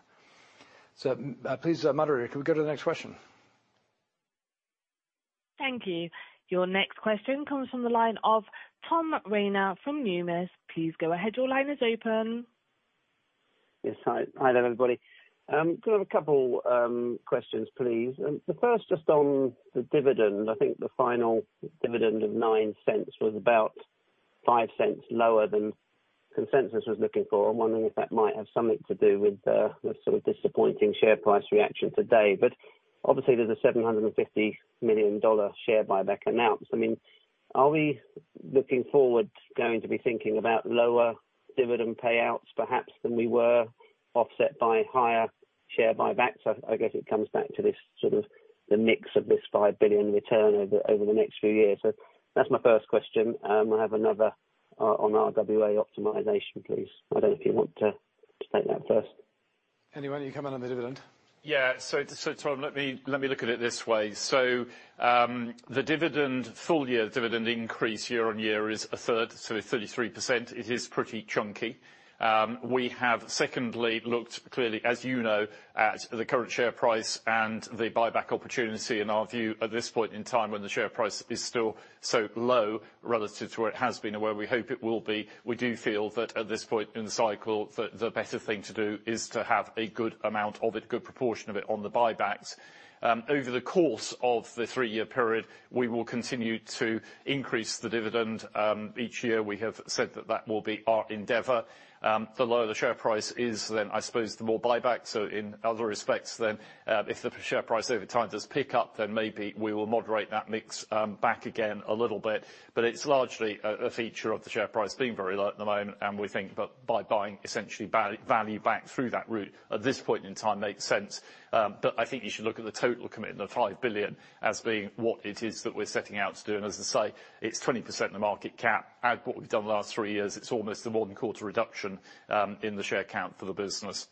So, please, moderator, can we go to the next question?
Thank you. Your next question comes from the line of Tom Rayner from Numis. Please go ahead. Your line is open.
Hi, there, everybody. I just have a couple of questions, please. The first just on the dividend. I think the final dividend of $0.09 was about $0.05 lower than consensus was looking for. I'm wondering if that might have something to do with the sort of disappointing share price reaction today. Obviously, there's a $750 million share buyback announced. I mean, are we looking forward going to be thinking about lower dividend payouts perhaps than we were offset by higher share buybacks? I guess it comes back to this sort of the mix of this $5 billion return over the next few years. That's my first question. I have another on RWA optimization, please. I don't know if you want to take that first.
Andy, you can come in on the dividend.
Tom, let me look at it this way. The full year dividend increase year-on-year is 1/3, so 33%. It is pretty chunky. We have secondly looked clearly, as you know, at the current share price and the buyback opportunity. In our view, at this point in time when the share price is still so low relative to where it has been and where we hope it will be, we do feel that at this point in the cycle, the better thing to do is to have a good amount of it, a good proportion of it on the buybacks. Over the course of the three-year period, we will continue to increase the dividend each year. We have said that will be our endeavor. The lower the share price is, then I suppose the more buyback. In other respects then, if the share price over time does pick up, then maybe we will moderate that mix back again a little bit. It's largely a feature of the share price being very low at the moment, and we think that by buying essentially value back through that route at this point in time makes sense. I think you should look at the total commitment of $5 billion as being what it is that we're setting out to do. As I say, it's 20% of the market cap. Add what we've done the last three years, it's almost a more than quarter reduction in the share count for the business.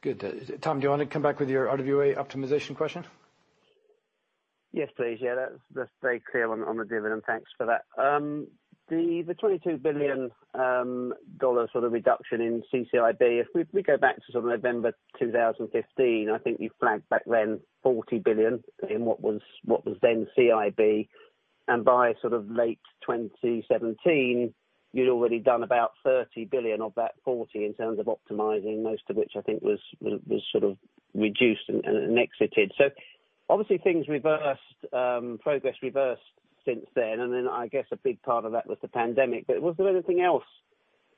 Good. Tom, do you want to come back with your RWA optimization question?
Yes, please. Yeah, that's very clear on the dividend. Thanks for that. The $22 billion sort of reduction in CCIB, if we go back to sort of November 2015, I think you flagged back then $40 billion in what was then CIB. By sort of late 2017, you'd already done about $30 billion of that $40 billion in terms of optimizing, most of which I think was sort of reduced and exited. Obviously things reversed, progress reversed since then. Then I guess a big part of that was the pandemic. Was there anything else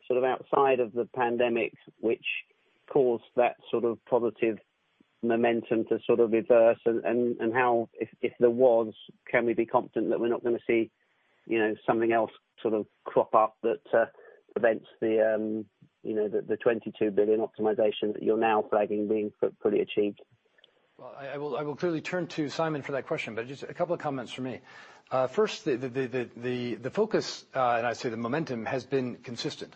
sort of outside of the pandemic which caused that sort of positive momentum to sort of reverse and how, if there was, can we be confident that we're not gonna see, you know, something else sort of crop up that prevents the, you know, the $22 billion optimization that you're now flagging being fully achieved?
Well, I will clearly turn to Simon for that question. Just a couple of comments from me. First the focus, and I'd say the momentum has been consistent.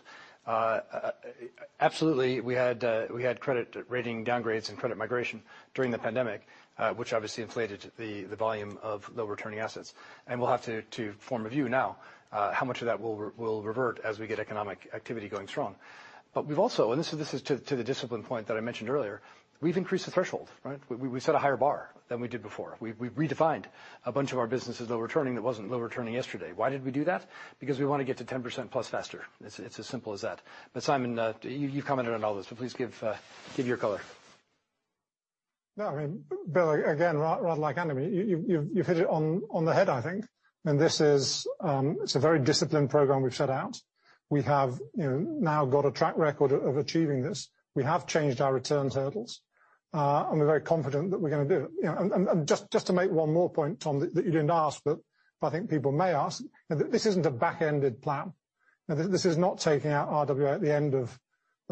Absolutely we had credit rating downgrades and credit migration during the pandemic, which obviously inflated the volume of low returning assets. We'll have to form a view now, how much of that will revert as we get economic activity going strong. We've also, this is to the discipline point that I mentioned earlier, we've increased the threshold, right? We set a higher bar than we did before. We've redefined a bunch of our businesses low returning that wasn't low returning yesterday. Why did we do that? Because we wanna get to 10%+ faster. It's as simple as that. Simon, you commented on all this, but please give your color.
No, I mean, Bill, again, right, like Andy, you, you've hit it on the head, I think. This is a very disciplined program we've set out. We have now got a track record of achieving this. We have changed our return hurdles, and we're very confident that we're gonna do it. Just to make one more point, Tom, that you didn't ask, but I think people may ask, this isn't a back-ended plan. Now, this is not taking out RWA at the end of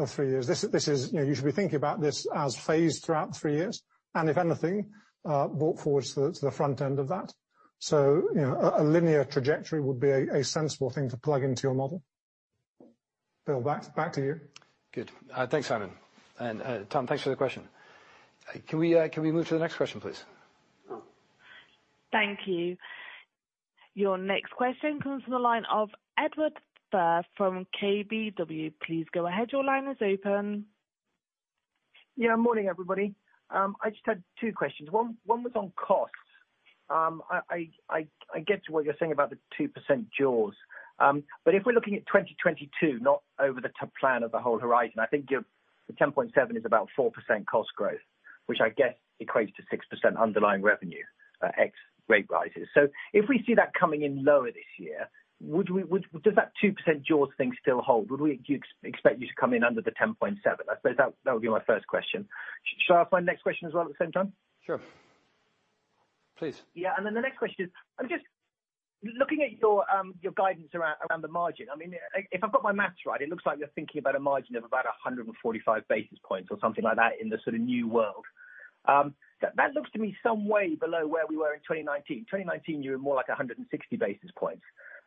three years. You should be thinking about this as phased throughout the three years, and if anything, brought forward to the front end of that. You know, a linear trajectory would be a sensible thing to plug into your model. Bill, back to you.
Good. Thanks, Simon. Tom, thanks for the question. Can we move to the next question, please?
Thank you. Your next question comes from the line of Edward Firth from KBW. Please go ahead. Your line is open.
Yeah, morning, everybody. I just had two questions. One was on costs. I get what you're saying about the 2% jaws. But if we're looking at 2022, not over the plan of the whole horizon, I think your 10.7% is about 4% cost growth, which I guess equates to 6% underlying revenue ex rate rises. So if we see that coming in lower this year, would we. Does that 2% jaws thing still hold? Would we expect you to come in under the 10.7%? I suppose that would be my first question. Shall I ask my next question as well at the same time?
Sure. Please.
Yeah. Then the next question is, I'm just looking at your guidance around the margin. I mean, if I've got my math right, it looks like you're thinking about a margin of about 145 basis points or something like that in the sort of new world. That looks to me some way below where we were in 2019. 2019 you were more like 160 basis points.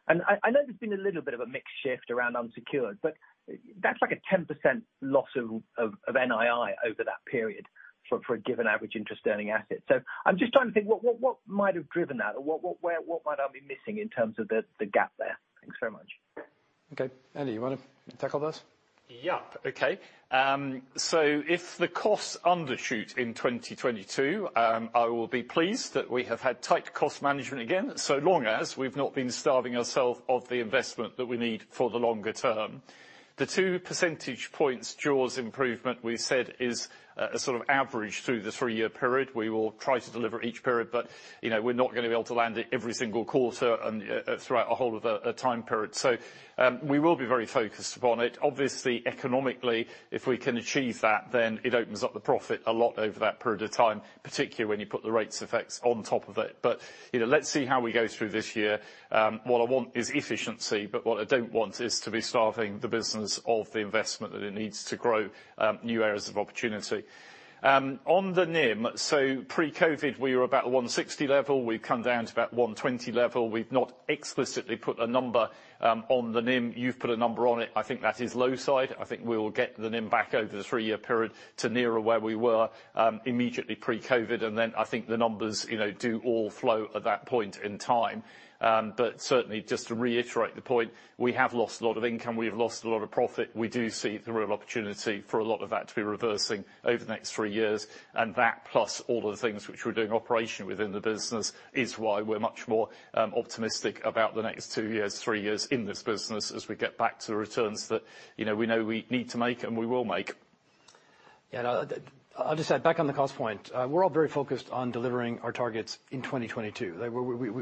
I know there's been a little bit of a mix shift around unsecured, but that's like a 10% loss of NII over that period for a given average interest earning asset. I'm just trying to think what might have driven that? Or what, where I might be missing in terms of the gap there? Thanks very much.
Okay. Andy, you wanna tackle this?
Yeah. Okay. If the costs undershoot in 2022, I will be pleased that we have had tight cost management again, so long as we've not been starving ourself of the investment that we need for the longer term. The 2 percentage points jaws improvement we said is a sort of average throgh the three-year period. We will try to deliver each period, but, you know, we're not gonna be able to land it every single quarter and throughout a whole of a time period. We will be very focused upon it. Obviously, economically, if we can achieve that, then it opens up the profit a lot over that period of time, particularly when you put the rates effects on top of it. You know, let's see how we go through this year. What I want is efficiency, but what I don't want is to be starving the business of the investment that it needs to grow new areas of opportunity. On the NIM, pre-COVID we were about 1.60% level. We've come down to about 1.20% level. We've not explicitly put a number on the NIM. You've put a number on it. I think that is low side. I think we'll get the NIM back over the three-year period to nearer where we were immediately pre-COVID, and then I think the numbers, you know, do all flow at that point in time. Certainly, just to reiterate the point, we have lost a lot of income. We have lost a lot of profit. We do see the real opportunity for a lot of that to be reversing over the next three years. That plus all of the things which we're doing operationally within the business is why we're much more optimistic about the next two years, three years in this business as we get back to the returns that, you know, we know we need to make and we will make.
Yeah, no, I'll just add back on the cost point. We're all very focused on delivering our targets in 2022.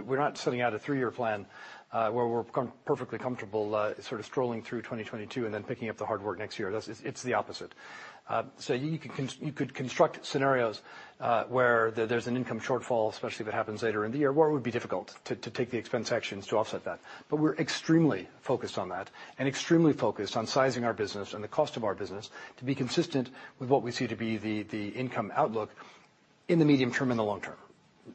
We're not setting out a three-year plan, where we're perfectly comfortable, sort of strolling through 2022 and then picking up the hard work next year. It's the opposite. You could construct scenarios, where there's an income shortfall, especially if it happens later in the year, where it would be difficult to take the expense actions to offset that. We're extremely focused on that and extremely focused on sizing our business and the cost of our business to be consistent with what we see to be the income outlook in the medium term and the long term.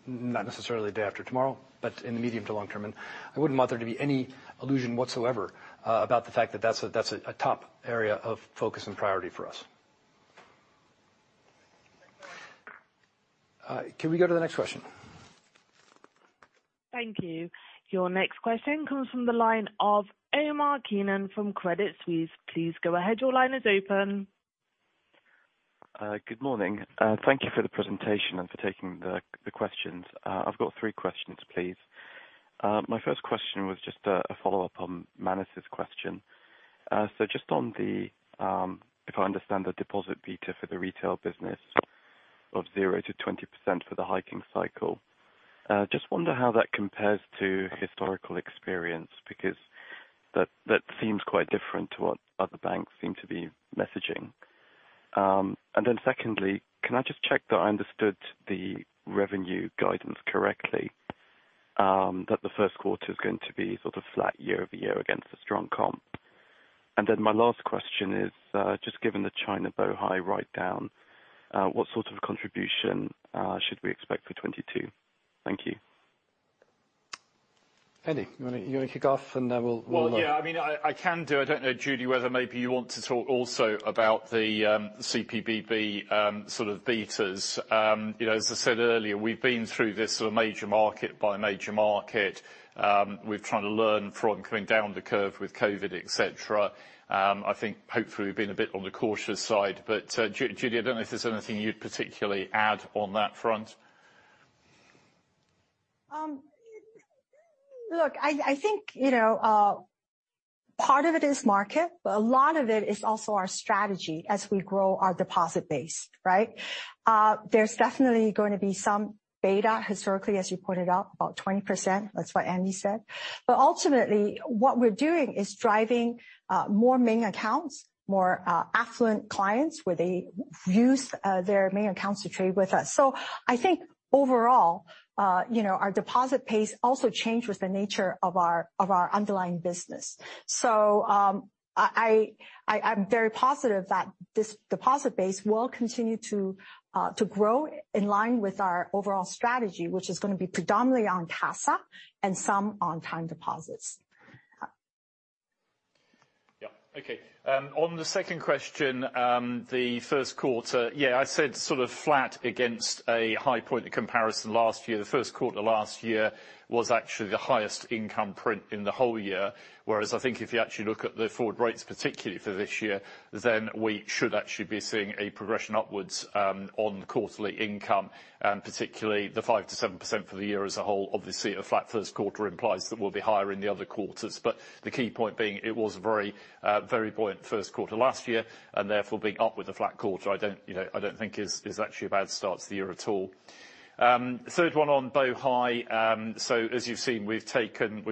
Not necessarily the day after tomorrow, but in the medium to long term. I wouldn't want there to be any illusion whatsoever about the fact that that's a top area of focus and priority for us. Can we go to the next question?
Thank you. Your next question comes from the line of Omar Keenan from Credit Suisse. Please go ahead. Your line is open.
Good morning. Thank you for the presentation and for taking the questions. I've got three questions, please. My first question was just a follow-up on Manus' question. So just on the if I understand the deposit beta for the retail business of 0%-20% for the hiking cycle, just wonder how that compares to historical experience, because that seems quite different to what other banks seem to be messaging. And then secondly, can I just check that I understood the revenue guidance correctly, that the first quarter is going to be sort of flat year-over-year against the strong comp? And then my last question is, just given the China Bohai write-down, what sort of contribution should we expect for 2022? Thank you.
Andy, you wanna kick off and then we'll—
Well, yeah, I mean, I can do. I don't know, Judy, whether maybe you want to talk also about the CPBB sort of betas. You know, as I said earlier, we've been through this sort of major market by major market. We're trying to learn from coming down the curve with COVID, et cetera. I think hopefully we've been a bit on the cautious side. Judy, I don't know if there's anything you'd particularly add on that front.
Look, I think, you know, part of it is market, but a lot of it is also our strategy as we grow our deposit base, right? There's definitely going to be some beta historically, as you pointed out, about 20%. That's what Andy said. Ultimately, what we're doing is driving more main accounts, more affluent clients where they use their main accounts to trade with us. I think overall, you know, our deposit pace also changed with the nature of our underlying business. I'm very positive that this deposit base will continue to grow in line with our overall strategy, which is gonna be predominantly on CASA and some on time deposits.
On the second question, the first quarter, I said sort of flat against a high point in comparison to last year. The first quarter last year was actually the highest income print in the whole year. Whereas I think if you actually look at the forward rates, particularly for this year, then we should actually be seeing a progression upwards on quarterly income, and particularly the 5%-7% for the year as a whole. Obviously, a flat first quarter implies that we'll be higher in the other quarters. The key point being it was a very, very buoyant first quarter last year, and therefore being up with a flat quarter, I don't, you know, think is actually a bad start to the year at all. Third one on Bohai. As you've seen, we've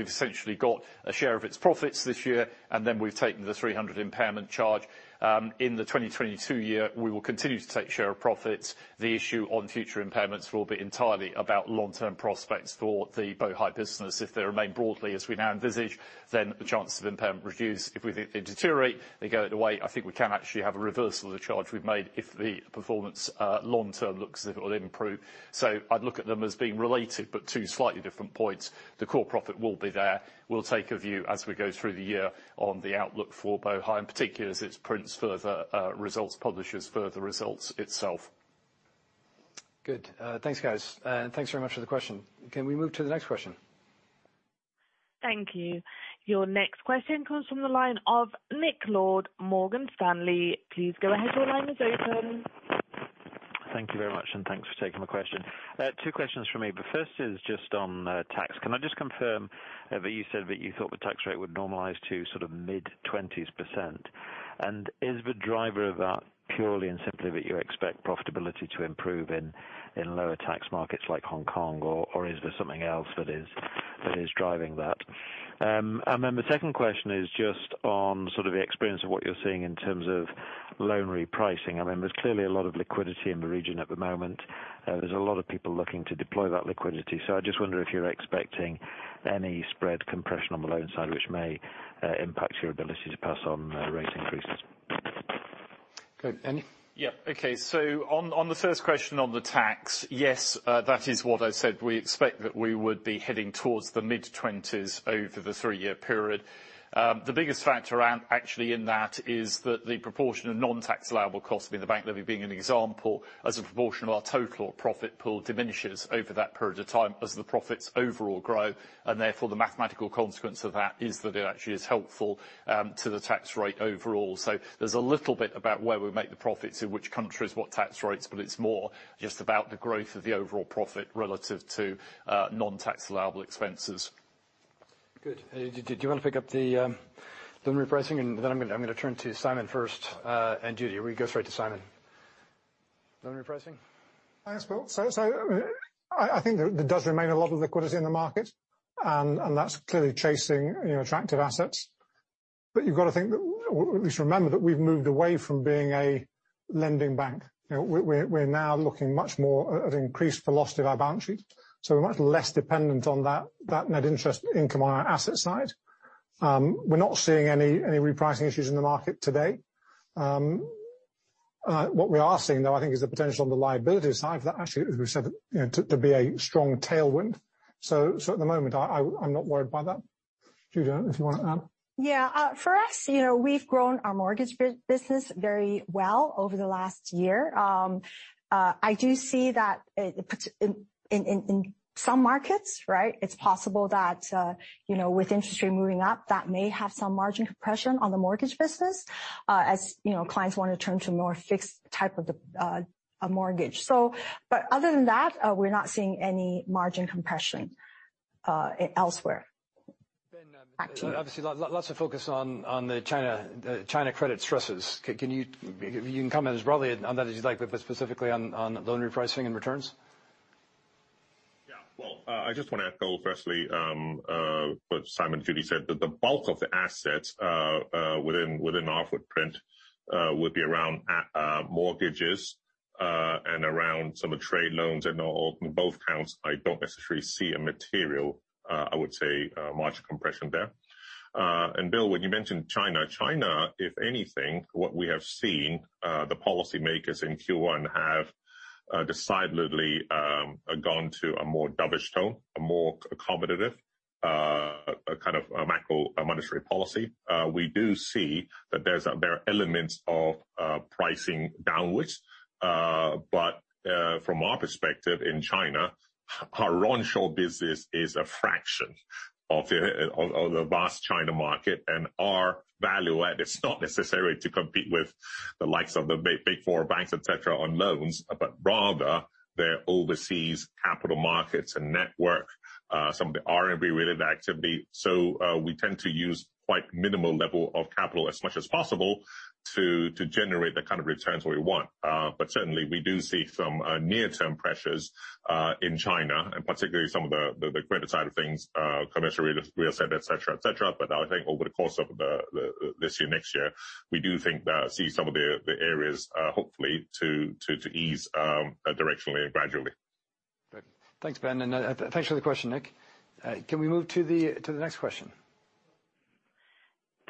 essentially got a share of its profits this year, and then we've taken the $300 impairment charge. In the 2022 year, we will continue to take share of profits. The issue on future impairments will be entirely about long-term prospects for the Bohai business. If they remain broadly as we now envisage, then the chances of impairment reduce. If we think they deteriorate, they go the other way. I think we can actually have a reversal of the charge we've made if the performance long-term looks as if it will improve. I'd look at them as being related, but two slightly different points. The core profit will be there. We'll take a view as we go through the year on the outlook for Bohai, in particular as it prints further results, publishes further results itself.
Good. Thanks, guys. Thanks very much for the question. Can we move to the next question?
Thank you. Your next question comes from the line of Nick Lord, Morgan Stanley. Please go ahead. Your line is open.
Thank you very much, and thanks for taking my question. Two questions from me. The first is just on tax. Can I just confirm that you said that you thought the tax rate would normalize to sort of mid-20s%? And is the driver of that purely and simply that you expect profitability to improve in lower tax markets like Hong Kong, or is there something else that is driving that? And then the second question is just on sort of the experience of what you're seeing in terms of loan repricing. I mean, there's clearly a lot of liquidity in the region at the moment. There's a lot of people looking to deploy that liquidity. So I just wonder if you're expecting any spread compression on the loan side, which may impact your ability to pass on rate increases.
Good. Andy?
On the first question on the tax, yes, that is what I said. We expect that we would be heading towards the mid-20s% over the three-year period. The biggest factor around actually in that is that the proportion of non-tax allowable costs, the bank levy being an example, as a proportion of our total profit pool diminishes over that period of time as the profits overall grow. Therefore, the mathematical consequence of that is that it actually is helpful to the tax rate overall. There's a little bit about where we make the profits in which countries, what tax rates, but it's more just about the growth of the overall profit relative to non-tax allowable expenses.
Good. Do you wanna pick up the repricing? I'm gonna turn to Simon first, and Judy. We go straight to Simon. Loan repricing.
Thanks, Bill. I think there does remain a lot of liquidity in the market, and that's clearly chasing, you know, attractive assets. You've got to think that, or at least remember that we've moved away from being a lending bank. You know, we're now looking much more at increased velocity of our balance sheet, so we're much less dependent on that net interest income on our asset side. We're not seeing any repricing issues in the market today. What we are seeing, though, I think is the potential on the liability side of that actually as we said, you know, to be a strong tailwind. So at the moment, I'm not worried by that. Judy, if you wanna add?
Yeah. For us, you know, we've grown our mortgage business very well over the last year. I do see that in some markets, right, it's possible that, you know, with interest rates moving up, that may have some margin compression on the mortgage business, as, you know, clients wanna turn to more fixed type of mortgage. Other than that, we're not seeing any margin compression elsewhere.
Ben.
Actually.
Obviously lots of focus on the China credit stresses. Can you comment as broadly on that as you like, but specifically on loan repricing and returns.
Yeah. Well, I just wanna echo firstly what Simon and Judy said that the bulk of the assets within our footprint would be around mortgages and around some of trade loans. On both counts, I don't necessarily see a material, I would say, margin compression there. Bill, when you mentioned China, if anything, what we have seen, the policymakers in Q1 have decidedly gone to a more dovish tone, a more accommodative kind of a macro monetary policy. We do see that there are elements of pricing downwards. But from our perspective in China, our onshore business is a fraction of the vast China market. Our value add is not necessarily to compete with the likes of the big, big four banks, et cetera, on loans, but rather their overseas capital markets and network, some of the RMB-related activity. We tend to use quite minimal level of capital as much as possible to generate the kind of returns we want. Certainly we do see some near-term pressures in China, and particularly some of the credit side of things, commercial real estate, et cetera, et cetera. I think over the course of this year, next year, we do think that see some of the areas, hopefully to ease directionally and gradually.
Good. Thanks, Ben. Thanks for the question, Nick. Can we move to the next question?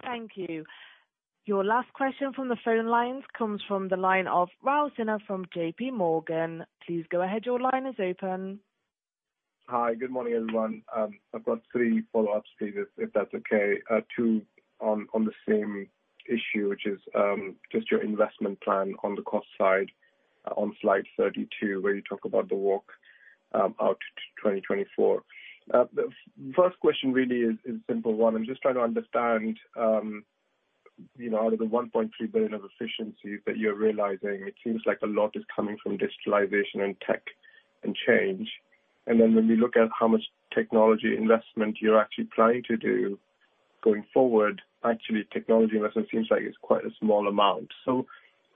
Thank you. Your last question from the phone lines comes from the line of Raul Sinha from JPMorgan. Please go ahead. Your line is open.
Hi. Good morning, everyone. I've got three follow-ups, please, if that's okay. Two on the same issue, which is just your investment plan on the cost side on slide 32, where you talk about the walk out to 2024. The first question really is simple one. I'm just trying to understand, you know, out of the $1.3 billion of efficiencies that you're realizing, it seems like a lot is coming from digitalization and tech and change. When we look at how much technology investment you're actually planning to do going forward, actually technology investment seems like it's quite a small amount.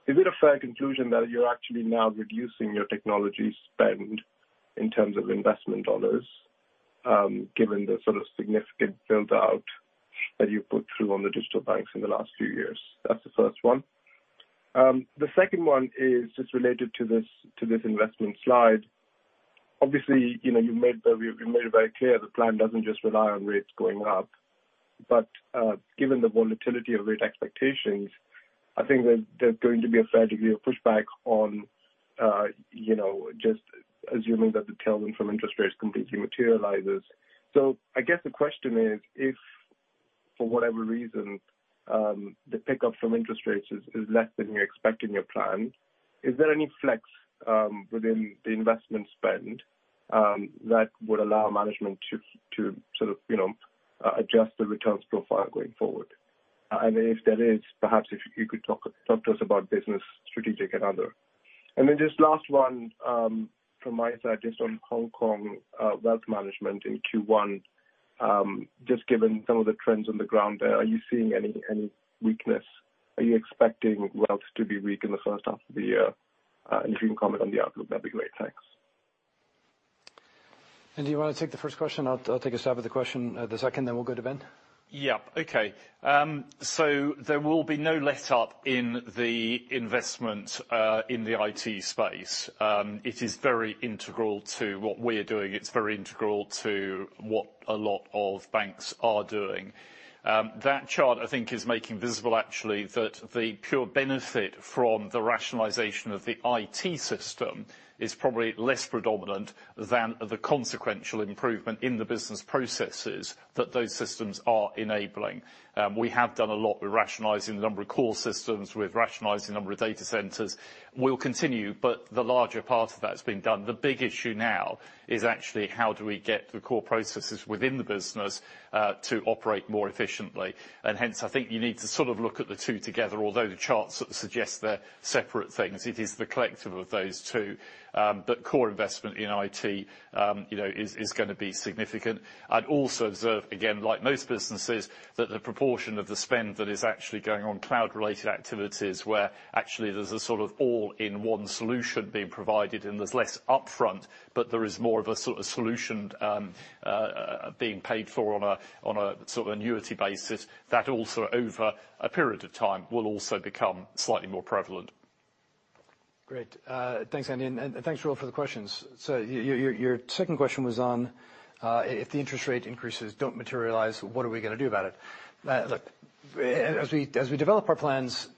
Is it a fair conclusion that you're actually now reducing your technology spend in terms of investment dollars, given the sort of significant build out that you put through on the digital banks in the last few years? That's the first one. The second one is just related to this investment slide. Obviously, you know, you've made it very clear the plan doesn't just rely on rates going up. Given the volatility of rate expectations, I think there's going to be a fair degree of pushback on you know, just assuming that the tailwind from interest rates completely materializes. I guess the question is, if for whatever reason, the pickup from interest rates is less than you expect in your plan, is there any flex within the investment spend that would allow management to sort of, you know, adjust the returns profile going forward? And if there is, perhaps if you could talk to us about business strategic and other. And then just last one from my side, just on Hong Kong, wealth management in Q1, just given some of the trends on the ground there, are you seeing any weakness? Are you expecting wealth to be weak in the first half of the year? And if you can comment on the outlook, that'd be great. Thanks.
Andy, you wanna take the first question? I'll take a stab at the question, the second, then we'll go to Ben.
There will be no letup in the investment in the IT space. It is very integral to what we're doing. It's very integral to what a lot of banks are doing. That chart I think is making visible actually that the pure benefit from the rationalization of the IT system is probably less predominant than the consequential improvement in the business processes that those systems are enabling. We have done a lot with rationalizing the number of core systems. We've rationalized the number of data centers. We'll continue, but the larger part of that has been done. The big issue now is actually how do we get the core processes within the business to operate more efficiently. Hence, I think you need to sort of look at the two together. Although the charts sort of suggest they're separate things, it is the collective of those two. Core investment in IT, you know, is gonna be significant. I'd also observe, again, like most businesses, that the proportion of the spend that is actually going on cloud related activities, where actually there's a sort of all-in-one solution being provided and there's less upfront, but there is more of a sort of solution being paid for on a sort of annuity basis. That also over a period of time will also become slightly more prevalent.
Great. Thanks, Andy, and thank you all for the questions. Your second question was on if the interest rate increases don't materialize, what are we gonna do about it? Look, as we develop our plans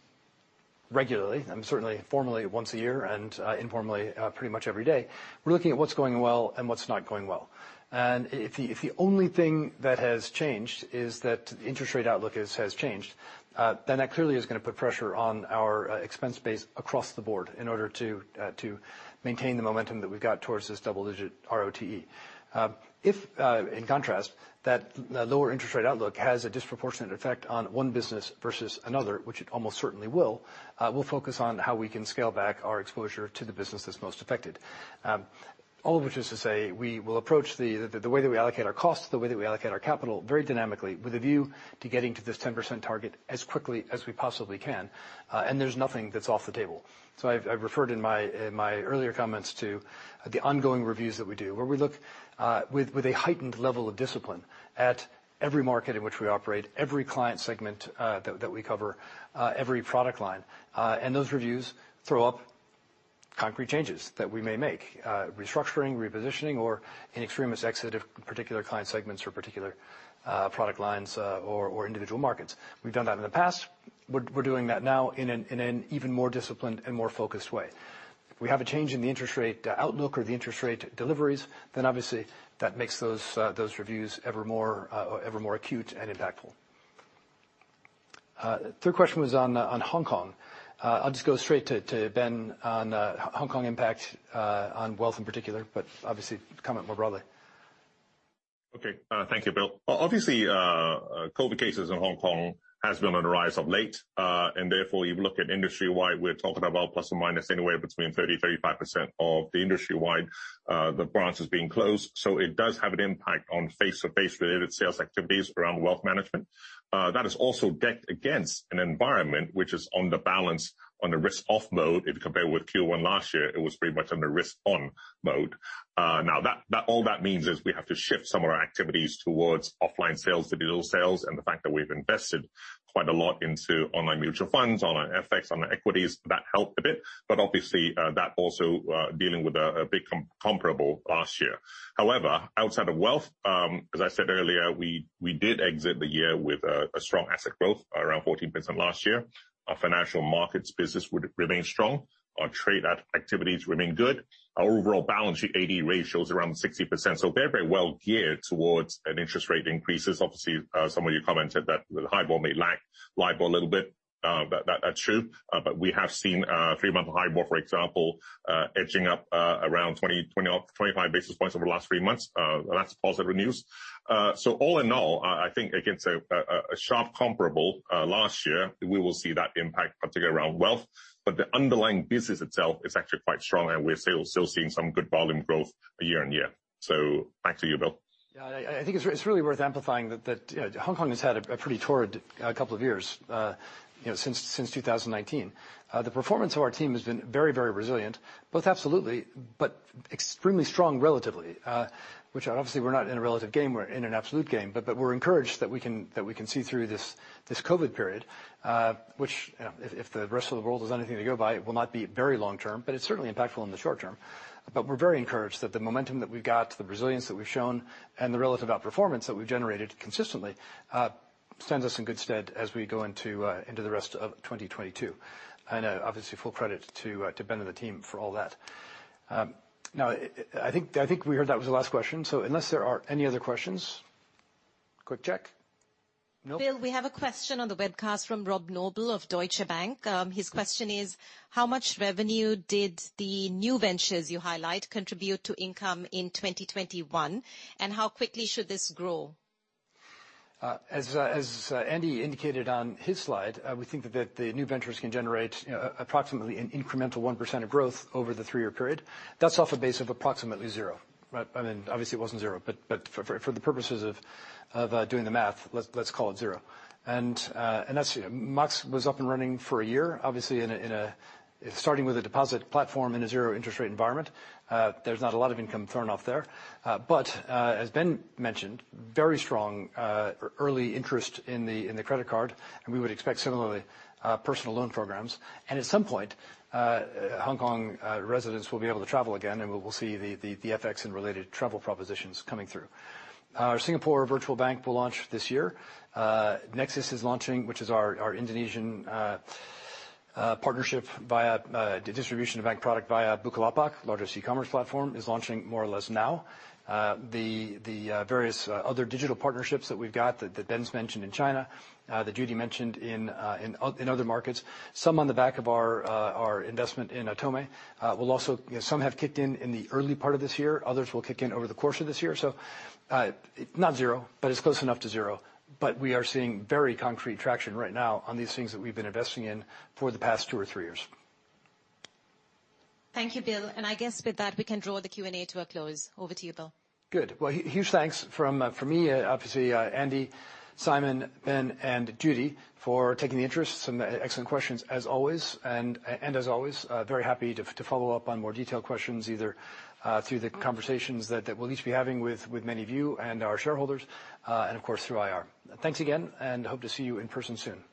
regularly, and certainly formally once a year, and informally, pretty much every day, we're looking at what's going well and what's not going well. If the only thing that has changed is that interest rate outlook has changed, then that clearly is gonna put pressure on our expense base across the board in order to maintain the momentum that we've got towards this double-digit RoTE. If in contrast, that lower interest rate outlook has a disproportionate effect on one business versus another, which it almost certainly will, we'll focus on how we can scale back our exposure to the business that's most affected. All of which is to say, we will approach the way that we allocate our costs, the way that we allocate our capital very dynamically with a view to getting to this 10% target as quickly as we possibly can. There's nothing that's off the table. I've referred in my earlier comments to the ongoing reviews that we do, where we look with a heightened level of discipline at every market in which we operate, every client segment that we cover, every product line. Those reviews throw up concrete changes that we may make, restructuring, repositioning, or in extremis, exit of particular client segments or particular product lines, or individual markets. We've done that in the past. We're doing that now in an even more disciplined and more focused way. If we have a change in the interest rate outlook or the interest rate deliveries, then obviously that makes those reviews ever more acute and impactful. Third question was on Hong Kong. I'll just go straight to Ben on Hong Kong impact on wealth in particular but obviously comment more broadly.
Okay. Thank you, Bill. Obviously, COVID cases in Hong Kong has been on the rise of late, and therefore, you look at industry-wide, we're talking about plus or minus anywhere between 30%-35% of the industry-wide the branches being closed. It does have an impact on face-to-face related sales activities around wealth management. That is also stacked against an environment which is on balance in the risk-off mode. If you compare with Q1 last year, it was very much under risk-on mode. All that means is we have to shift some of our activities from offline sales to digital sales, and the fact that we've invested quite a lot into online mutual funds, online FX, online equities, that helped a bit. Obviously, that also dealing with a big comparable last year. However, outside of wealth, as I said earlier, we did exit the year with a strong asset growth, around 14% last year. Our financial markets business would remain strong. Our trade activities remain good. Our overall balance sheet AD ratio is around 60%, so very, very well geared towards an interest rate increases. Obviously, some of you commented that the HIBOR may lag LIBOR a little bit. That's true. But we have seen three-month HIBOR, for example, edging up around 25 basis points over the last three months. And that's positive news. So, all in all, I think against a sharp comparable last year, we will see that impact particularly around wealth. The underlying business itself is actually quite strong, and we're still seeing some good volume growth year on year. Back to you, Bill.
Yeah, I think it's really worth amplifying that, you know, Hong Kong has had a pretty torrid couple of years, you know, since 2019. The performance of our team has been very, very resilient, both absolutely, but extremely strong relatively. Which obviously we're not in a relative game, we're in an absolute game. We're encouraged that we can see through this COVID period, which, you know, if the rest of the world is anything to go by, it will not be very long term, but it's certainly impactful in the short term. We're very encouraged that the momentum that we've got, the resilience that we've shown, and the relative outperformance that we've generated consistently stands us in good stead as we go into the rest of 2022. Obviously full credit to Ben and the team for all that. Now I think we heard that was the last question. Unless there are any other questions, quick check. Nope.
Bill, we have a question on the webcast from Rob Noble of Deutsche Bank. His question is, how much revenue did the new ventures you highlight contribute to income in 2021, and how quickly should this grow?
As Andy indicated on his slide, we think that the new ventures can generate, you know, approximately an incremental 1% of growth over the three-year period. That's off a base of approximately zero, right? I mean, obviously it wasn't zero, but for the purposes of doing the math, let's call it zero. That's, you know, Mox was up and running for a year. Obviously, starting with a deposit platform in a zero-interest rate environment, there's not a lot of income thrown off there. As Ben mentioned, very strong early interest in the credit card, and we would expect similarly personal loan programs. At some point, Hong Kong residents will be able to travel again, and we'll see the FX and related travel propositions coming through. Our Singapore virtual bank will launch this year. Nexus is launching, which is our Indonesian partnership via the distribution of bank product via Bukalapak, largest e-commerce platform, is launching more or less now. The various other digital partnerships that we've got that Ben's mentioned in China, that Judy mentioned in other markets. Some on the back of our investment in Atome will also, you know, some have kicked in in the early part of this year, others will kick in over the course of this year. Not zero, but it's close enough to zero. We are seeing very concrete traction right now on these things that we've been investing in for the past two or three years.
Thank you, Bill. I guess with that, we can draw the Q&A to a close. Over to you, Bill.
Good. Well, huge thanks from me, obviously, Andy, Simon, Ben, and Judy for taking the interest and the excellent questions as always. As always, very happy to follow up on more detailed questions, either through the conversations that we'll each be having with many of you and our shareholders, and of course through IR. Thanks again, hope to see you in person soon.